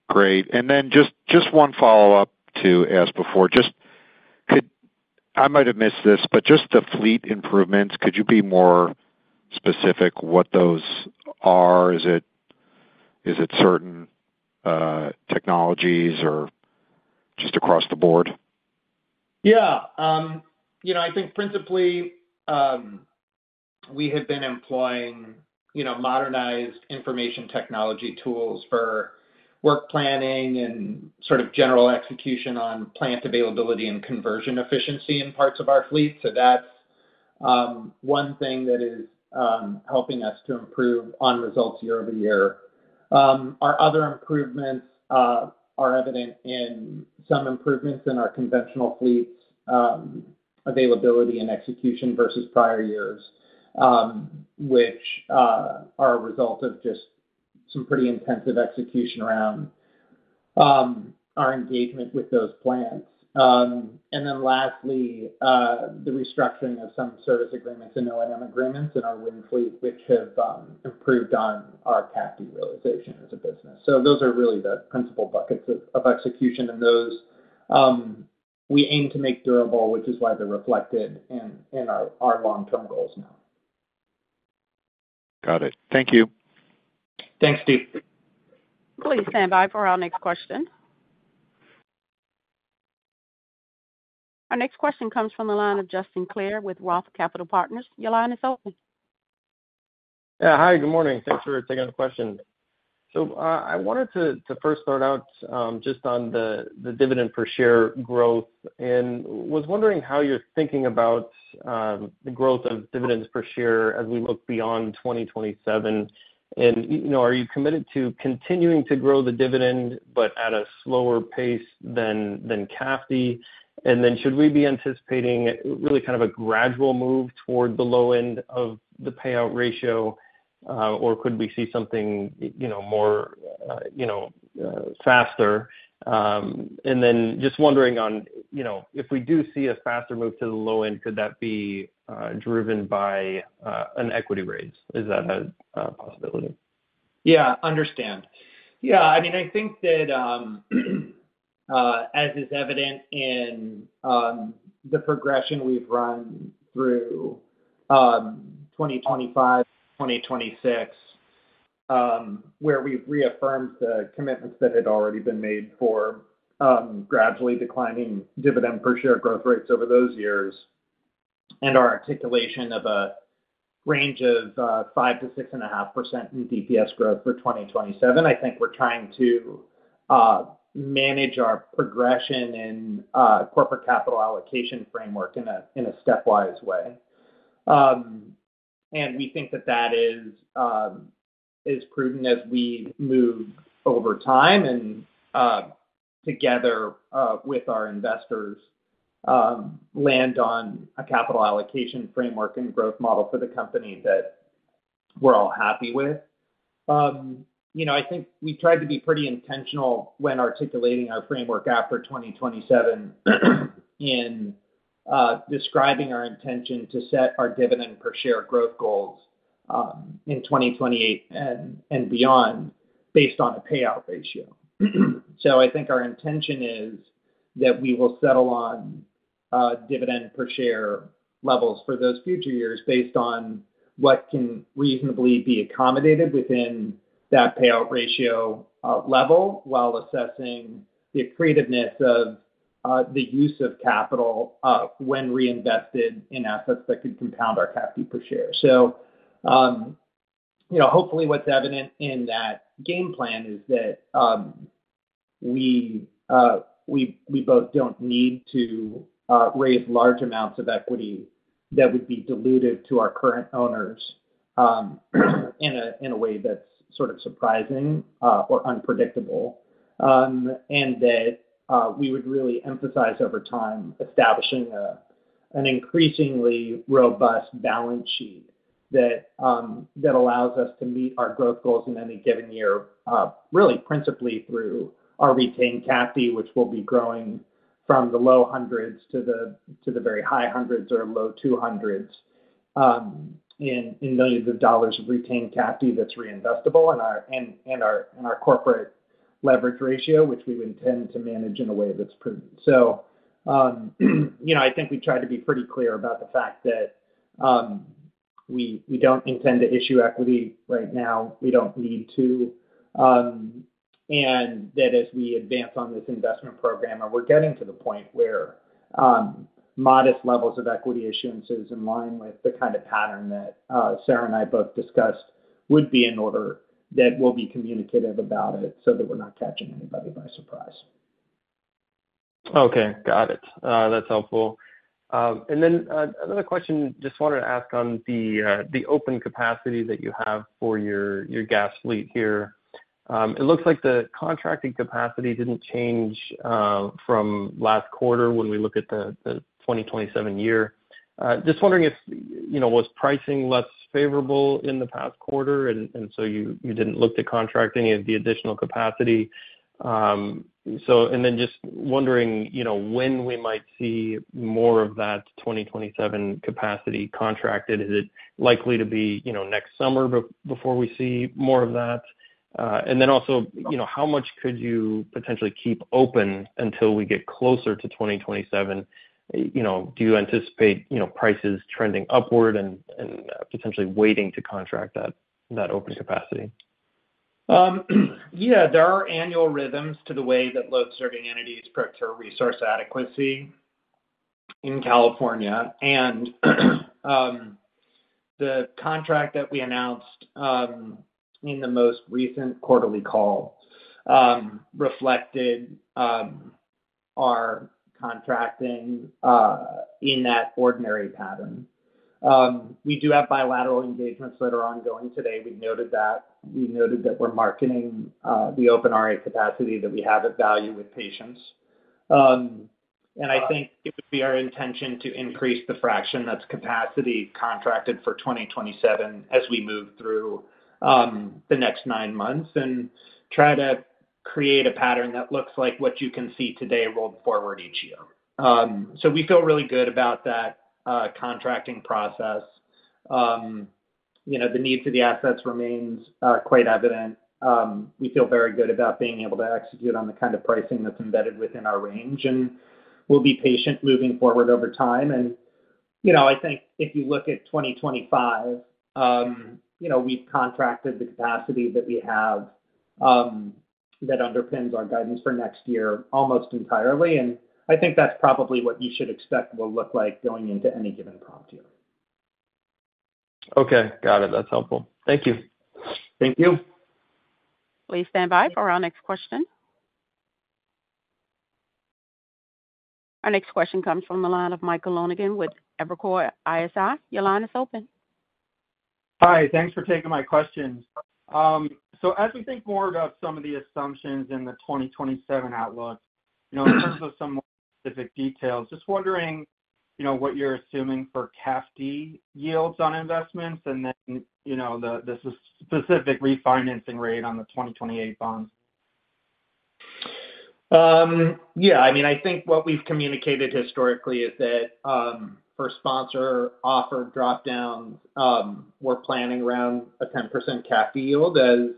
Great. And then just one follow-up to ask before. I might have missed this, but just the fleet improvements, could you be more specific what those are? Is it certain technologies or just across the board? Yeah. I think principally we have been employing modernized information technology tools for work planning and sort of general execution on plant availability and conversion efficiency in parts of our fleet. So that's one thing that is helping us to improve on results year-over-year. Our other improvements are evident in some improvements in our conventional fleet's availability and execution versus prior years, which are a result of just some pretty intensive execution around our engagement with those plants. And then lastly, the restructuring of some service agreements and O&M agreements in our wind fleet, which have improved on our CAFD realization as a business. So those are really the principal buckets of execution. And those we aim to make durable, which is why they're reflected in our long-term goals now. Got it. Thank you. Thanks, Steve. Please stand by for our next question. Our next question comes from the line of Justin Clare with Roth Capital Partners. Your line is open. Yeah. Hi. Good morning. Thanks for taking the question. So I wanted to first start out just on the dividend per share growth and was wondering how you're thinking about the growth of dividends per share as we look beyond 2027. And are you committed to continuing to grow the dividend, but at a slower pace than cash FCF? And then should we be anticipating really kind of a gradual move toward the low end of the payout ratio, or could we see something more faster? Then just wondering on if we do see a faster move to the low end, could that be driven by an equity raise? Is that a possibility? Yeah. Understand. Yeah. I mean, I think that as is evident in the progression we've run through 2025, 2026, where we've reaffirmed the commitments that had already been made for gradually declining dividend per share growth rates over those years and our articulation of a range of 5%-6.5% in DPS growth for 2027, I think we're trying to manage our progression in corporate capital allocation framework in a stepwise way. And we think that that is prudent as we move over time and together with our investors land on a capital allocation framework and growth model for the company that we're all happy with. I think we tried to be pretty intentional when articulating our framework after 2027 in describing our intention to set our dividend per share growth goals in 2028 and beyond based on a payout ratio. So I think our intention is that we will settle on dividend per share levels for those future years based on what can reasonably be accommodated within that payout ratio level while assessing the accretiveness of the use of capital when reinvested in assets that could compound our CAFD per share. So hopefully what's evident in that game plan is that we both don't need to raise large amounts of equity that would be diluted to our current owners in a way that's sort of surprising or unpredictable. That we would really emphasize over time establishing an increasingly robust balance sheet that allows us to meet our growth goals in any given year, really principally through our retained CAFD, which will be growing from the low hundreds to the very high hundreds or low two hundreds in millions of dollars of retained CAFD that's reinvestable and our corporate leverage ratio, which we would intend to manage in a way that's prudent. I think we tried to be pretty clear about the fact that we don't intend to issue equity right now. We don't need to. And that as we advance on this investment program, and we're getting to the point where modest levels of equity issuances in line with the kind of pattern that Sarah and I both discussed would be in order, that we'll be communicative about it so that we're not catching anybody by surprise. Okay. Got it. That's helpful. And then another question. Just wanted to ask on the open capacity that you have for your gas fleet here. It looks like the contracting capacity didn't change from last quarter when we look at the 2027 year. Just wondering if was pricing less favorable in the past quarter? And so you didn't look to contract any of the additional capacity. And then just wondering when we might see more of that 2027 capacity contracted. Is it likely to be next summer before we see more of that? And then also how much could you potentially keep open until we get closer to 2027? Do you anticipate prices trending upward and potentially waiting to contract that open capacity? Yeah. There are annual rhythms to the way that load-serving entities procure resource adequacy in California. And the contract that we announced in the most recent quarterly call reflected our contracting in that ordinary pattern. We do have bilateral engagements that are ongoing today. We've noted that. We noted that we're marketing the open RA capacity that we have at value with patience. And I think it would be our intention to increase the fraction that's capacity contracted for 2027 as we move through the next nine months and try to create a pattern that looks like what you can see today rolled forward each year. So we feel really good about that contracting process. The need for the assets remains quite evident. We feel very good about being able to execute on the kind of pricing that's embedded within our range. And we'll be patient moving forward over time. And I think if you look at 2025, we've contracted the capacity that we have that underpins our guidance for next year almost entirely. And I think that's probably what you should expect will look like going into any given prompt year. Okay. Got it. That's helpful. Thank you. Thank you. Please stand by for our next question. Our next question comes from the line of Michael Lonegan with Evercore ISI. Your line is open. Hi. Thanks for taking my questions. So as we think more about some of the assumptions in the 2027 outlook, in terms of some more specific details, just wondering what you're assuming for CAFD yields on investments and then the specific refinancing rate on the 2028 bonds. Yeah. I mean, I think what we've communicated historically is that for sponsor offered dropdowns, we're planning around a 10% CAFD yield as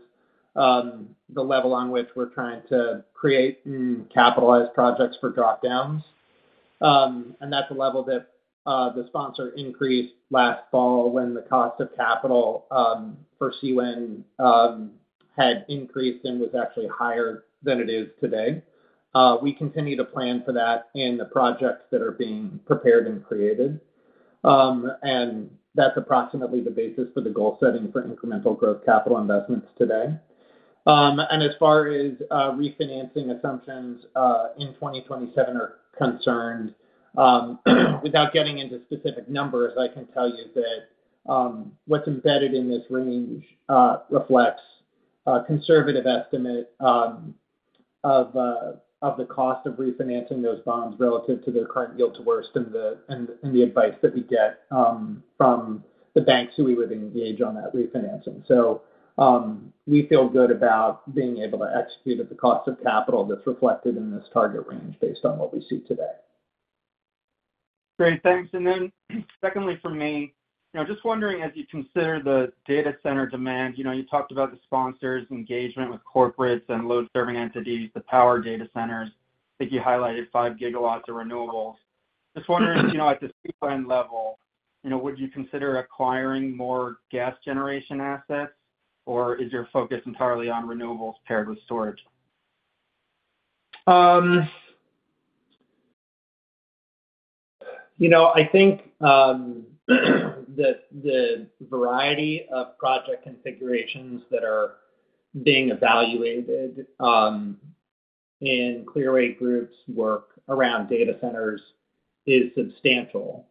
the level on which we're trying to create and capitalize projects for dropdowns. And that's a level that the sponsor increased last fall when the cost of capital for CWEN had increased and was actually higher than it is today. We continue to plan for that in the projects that are being prepared and created. And that's approximately the basis for the goal setting for incremental growth capital investments today. As far as refinancing assumptions in 2027 are concerned, without getting into specific numbers, I can tell you that what's embedded in this range reflects a conservative estimate of the cost of refinancing those bonds relative to their current yield to worst and the advice that we get from the banks who we would engage on that refinancing. We feel good about being able to execute at the cost of capital that's reflected in this target range based on what we see today. Great. Thanks. Secondly for me, just wondering as you consider the data center demand, you talked about the sponsor's engagement with corporates and load-serving entities, the power data centers. I think you highlighted five gigawatts of renewables. Just wondering at the CWEN level, would you consider acquiring more gas generation assets, or is your focus entirely on renewables paired with storage? I think that the variety of project configurations that are being evaluated in Clearway Group's work around data centers is substantial.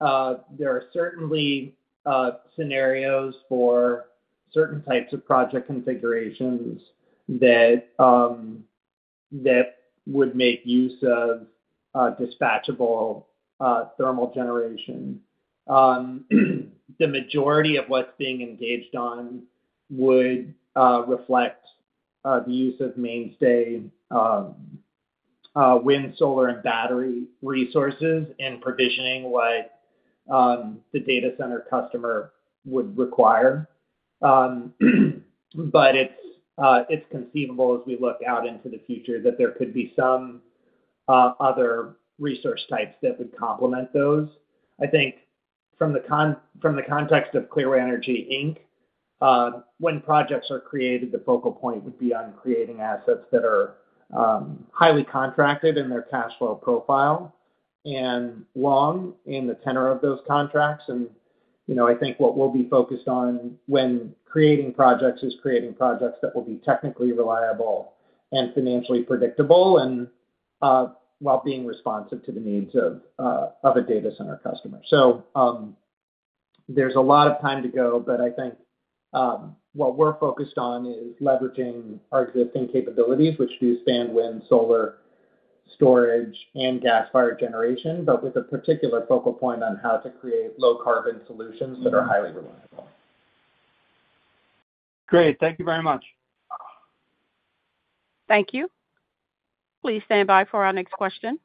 There are certainly scenarios for certain types of project configurations that would make use of dispatchable thermal generation. The majority of what's being engaged on would reflect the use of mainstay wind, solar, and battery resources and provisioning what the data center customer would require. But it's conceivable as we look out into the future that there could be some other resource types that would complement those. I think from the context of Clearway Energy Inc., when projects are created, the focal point would be on creating assets that are highly contracted in their cash flow profile and long in the tenor of those contracts. I think what we'll be focused on when creating projects is creating projects that will be technically reliable and financially predictable while being responsive to the needs of a data center customer. So there's a lot of time to go, but I think what we're focused on is leveraging our existing capabilities, which do stand wind, solar, storage, and gas-fired generation, but with a particular focal point on how to create low-carbon solutions that are highly reliable. Great. Thank you very much. Thank you. Please stand by for our next question.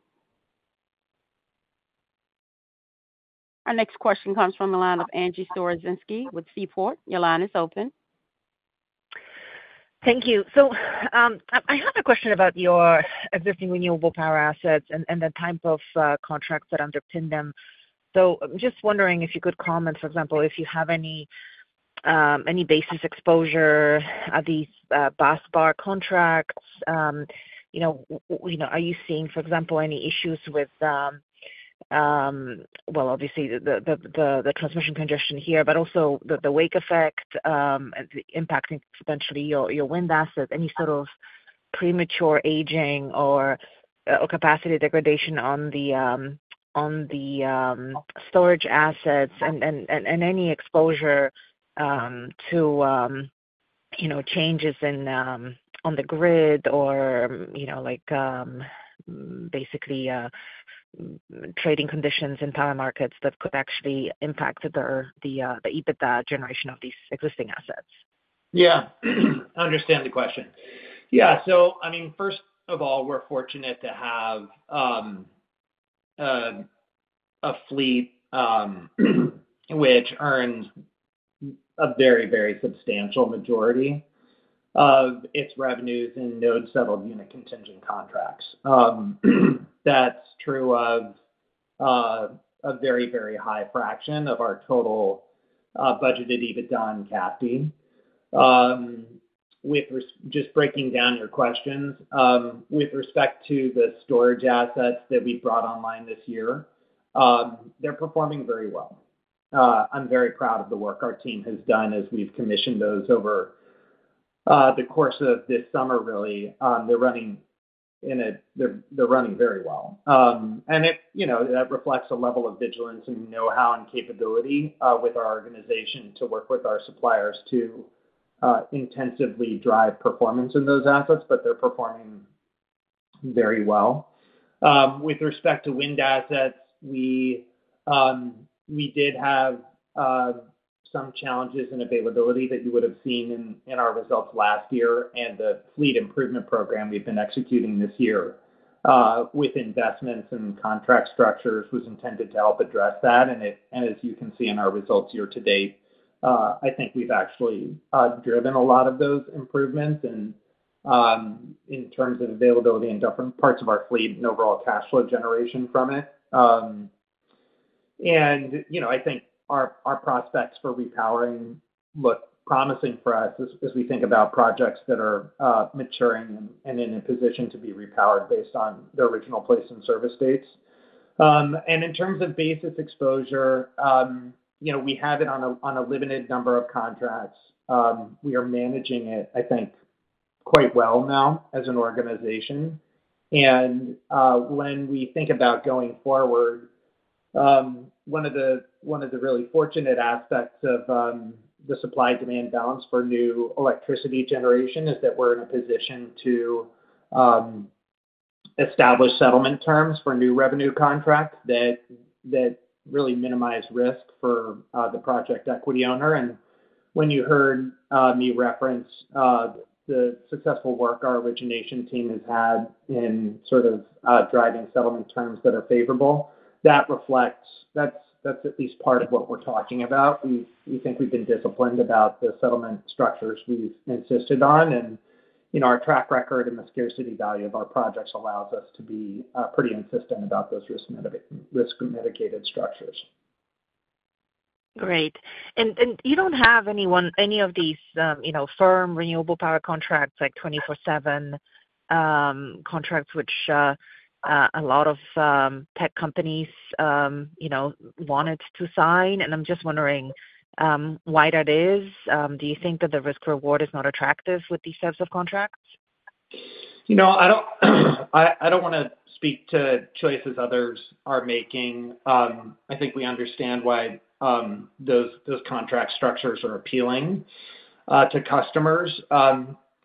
Our next question comes from the line of Angie Storozynski with Seaport. Your line is open. Thank you. So I have a question about your existing renewable power assets and the type of contracts that underpin them. So I'm just wondering if you could comment, for example, if you have any basis exposure at these busbar contracts. Are you seeing, for example, any issues with, well, obviously, the transmission congestion here, but also the wake effect impacting potentially your wind assets? Any sort of premature aging or capacity degradation on the storage assets and any exposure to changes on the grid or basically trading conditions in power markets that could actually impact the EBITDA generation of these existing assets? Yeah. I understand the question. Yeah. So I mean, first of all, we're fortunate to have a fleet which earns a very, very substantial majority of its revenues in node-settled unit contingent contracts. That's true of a very, very high fraction of our total budgeted EBITDA and CAFD. Just breaking down your questions, with respect to the storage assets that we brought online this year, they're performing very well. I'm very proud of the work our team has done as we've commissioned those over the course of this summer, really. They're running very well, and that reflects a level of vigilance and know-how and capability with our organization to work with our suppliers to intensively drive performance in those assets, but they're performing very well. With respect to wind assets, we did have some challenges in availability that you would have seen in our results last year, and the fleet improvement program we've been executing this year with investments and contract structures was intended to help address that, and as you can see in our results year to date, I think we've actually driven a lot of those improvements in terms of availability in different parts of our fleet and overall cash flow generation from it. I think our prospects for repowering look promising for us as we think about projects that are maturing and in a position to be repowered based on their original placed in service dates. In terms of basis exposure, we have it on a limited number of contracts. We are managing it, I think, quite well now as an organization. When we think about going forward, one of the really fortunate aspects of the supply-demand balance for new electricity generation is that we're in a position to establish settlement terms for new revenue contracts that really minimize risk for the project equity owner. When you heard me reference the successful work our origination team has had in sort of driving settlement terms that are favorable, that's at least part of what we're talking about. We think we've been disciplined about the settlement structures we've insisted on. Our track record and the scarcity value of our projects allows us to be pretty insistent about those risk-mitigated structures. Great. You don't have any of these firm renewable power contracts like 24/7 contracts, which a lot of tech companies wanted to sign. I'm just wondering why that is. Do you think that the risk-reward is not attractive with these types of contracts? I don't want to speak to choices others are making. I think we understand why those contract structures are appealing to customers.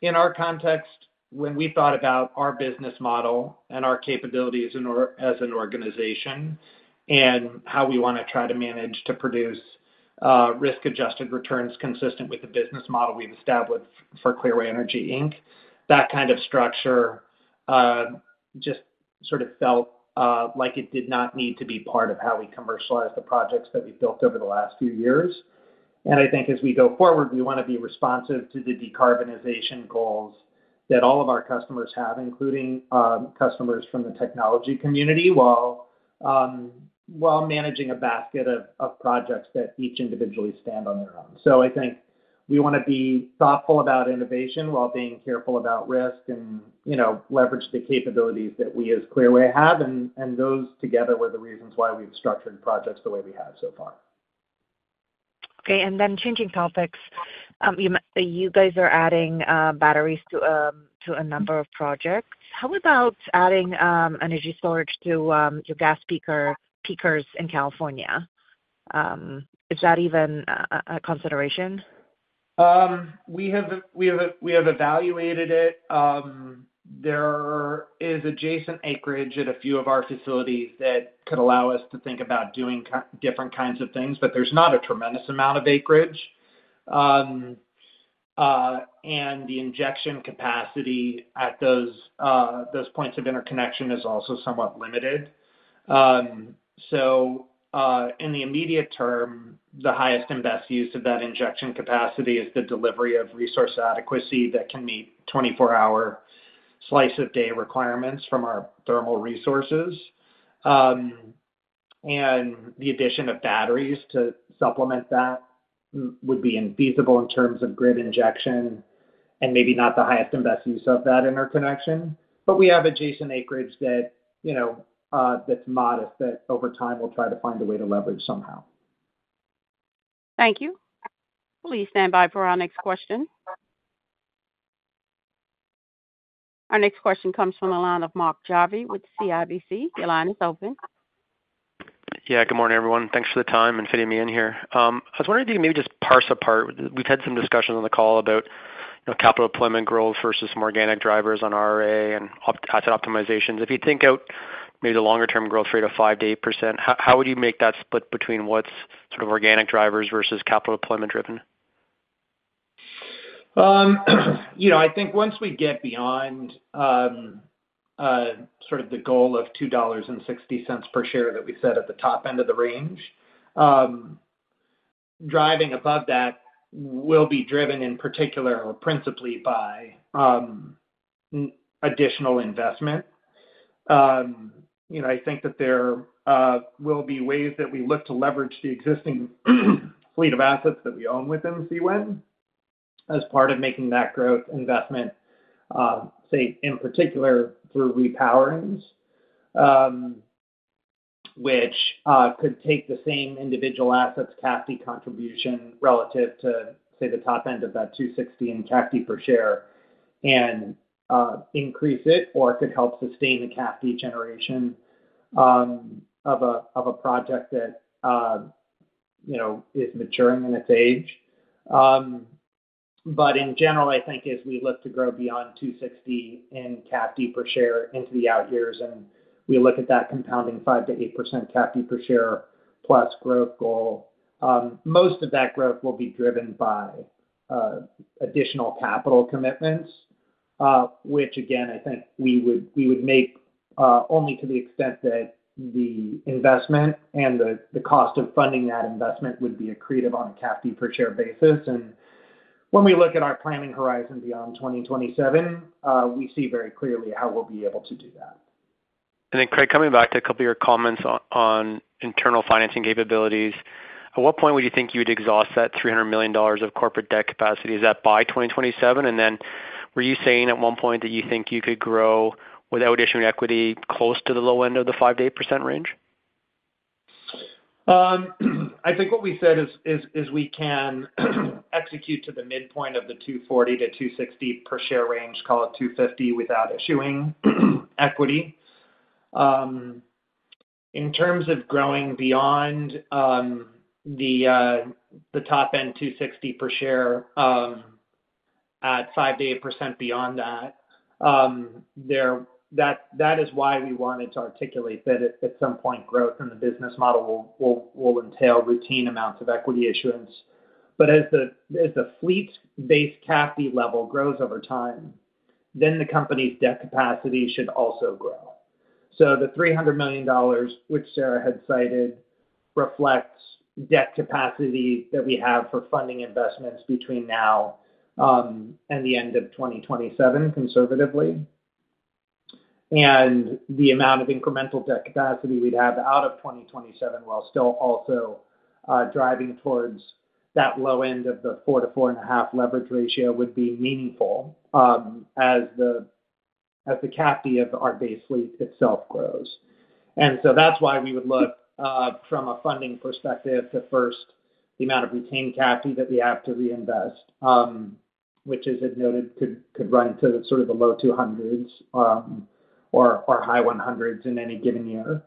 In our context, when we thought about our business model and our capabilities as an organization and how we want to try to manage to produce risk-adjusted returns consistent with the business model we've established for Clearway Energy Inc., that kind of structure just sort of felt like it did not need to be part of how we commercialize the projects that we've built over the last few years. And I think as we go forward, we want to be responsive to the decarbonization goals that all of our customers have, including customers from the technology community, while managing a basket of projects that each individually stand on their own. So I think we want to be thoughtful about innovation while being careful about risk and leverage the capabilities that we as Clearway have. And those together were the reasons why we've structured projects the way we have so far. Okay. And then changing topics, you guys are adding batteries to a number of projects. How about adding energy storage to your gas peakers in California? Is that even a consideration? We have evaluated it. There is adjacent acreage at a few of our facilities that could allow us to think about doing different kinds of things, but there's not a tremendous amount of acreage. And the injection capacity at those points of interconnection is also somewhat limited. So in the immediate term, the highest and best use of that injection capacity is the delivery of resource adequacy that can meet 24-hour Slice of Day requirements from our thermal resources. And the addition of batteries to supplement that would be infeasible in terms of grid injection and maybe not the highest and best use of that interconnection. But we have adjacent acreage that's modest that over time we'll try to find a way to leverage somehow. Thank you. Please stand by for our next question. Our next question comes from the line of Mark Jarvi with CIBC. Your line is open. Yeah. Good morning, everyone. Thanks for the time and fitting me in here. I was wondering if you could maybe just parse apart. We've had some discussions on the call about capital deployment growth versus some organic drivers on RA and asset optimizations. If you think out maybe the longer-term growth rate of 5%-8%, how would you make that split between what's sort of organic drivers versus capital deployment-driven? I think once we get beyond sort of the goal of $2.60 per share that we set at the top end of the range, driving above that will be driven in particular or principally by additional investment. I think that there will be ways that we look to leverage the existing fleet of assets that we own within CEG as part of making that growth investment, say, in particular through repowerings, which could take the same individual assets' CAFD contribution relative to, say, the top end of that $2.60 in CAFD per share and increase it or could help sustain the CAFD generation of a project that is maturing in its age. But in general, I think as we look to grow beyond 260 in CAFD per share into the out years and we look at that compounding 5%-8% CAFD per share plus growth goal, most of that growth will be driven by additional capital commitments, which again, I think we would make only to the extent that the investment and the cost of funding that investment would be accretive on a CAFD per share basis. And when we look at our planning horizon beyond 2027, we see very clearly how we'll be able to do that. And then, Craig, coming back to a couple of your comments on internal financing capabilities, at what point would you think you would exhaust that $300 million of corporate debt capacity? Is that by 2027? And then were you saying at one point that you think you could grow without issuing equity close to the low end of the 5%-8% range? I think what we said is we can execute to the midpoint of the 240-260 per share range, call it 250 without issuing equity. In terms of growing beyond the top end 260 per share at 5%-8% beyond that, that is why we wanted to articulate that at some point growth in the business model will entail routine amounts of equity issuance. But as the fleet-based CAFD level grows over time, then the company's debt capacity should also grow. So the $300 million, which Sarah had cited, reflects debt capacity that we have for funding investments between now and the end of 2027 conservatively. And the amount of incremental debt capacity we'd have out of 2027 while still also driving towards that low end of the 4-4.5 leverage ratio would be meaningful as the CAFD of our base fleet itself grows. And so that's why we would look from a funding perspective to first the amount of retained CAFD that we have to reinvest, which as it noted could run to sort of the low 200s or high 100s in any given year.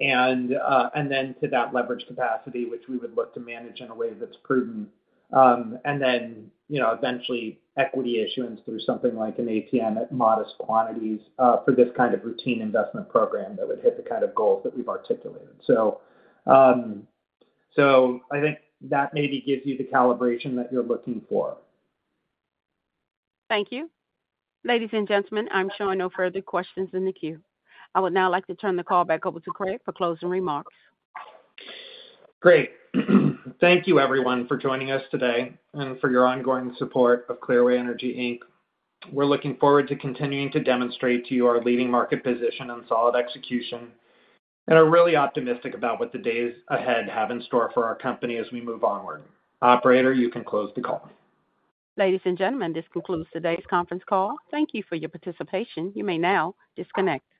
And then to that leverage capacity, which we would look to manage in a way that's prudent. And then eventually equity issuance through something like an ATM at modest quantities for this kind of routine investment program that would hit the kind of goals that we've articulated. So I think that maybe gives you the calibration that you're looking for. Thank you. Ladies and gentlemen, I'm sure no further questions in the queue. I would now like to turn the call back over to Craig for closing remarks. Great. Thank you, everyone, for joining us today and for your ongoing support of Clearway Energy Inc. We're looking forward to continuing to demonstrate to you our leading market position and solid execution and are really optimistic about what the days ahead have in store for our company as we move onward. Operator, you can close the call. Ladies and gentlemen, this concludes today's conference call. Thank you for your participation. You may now disconnect.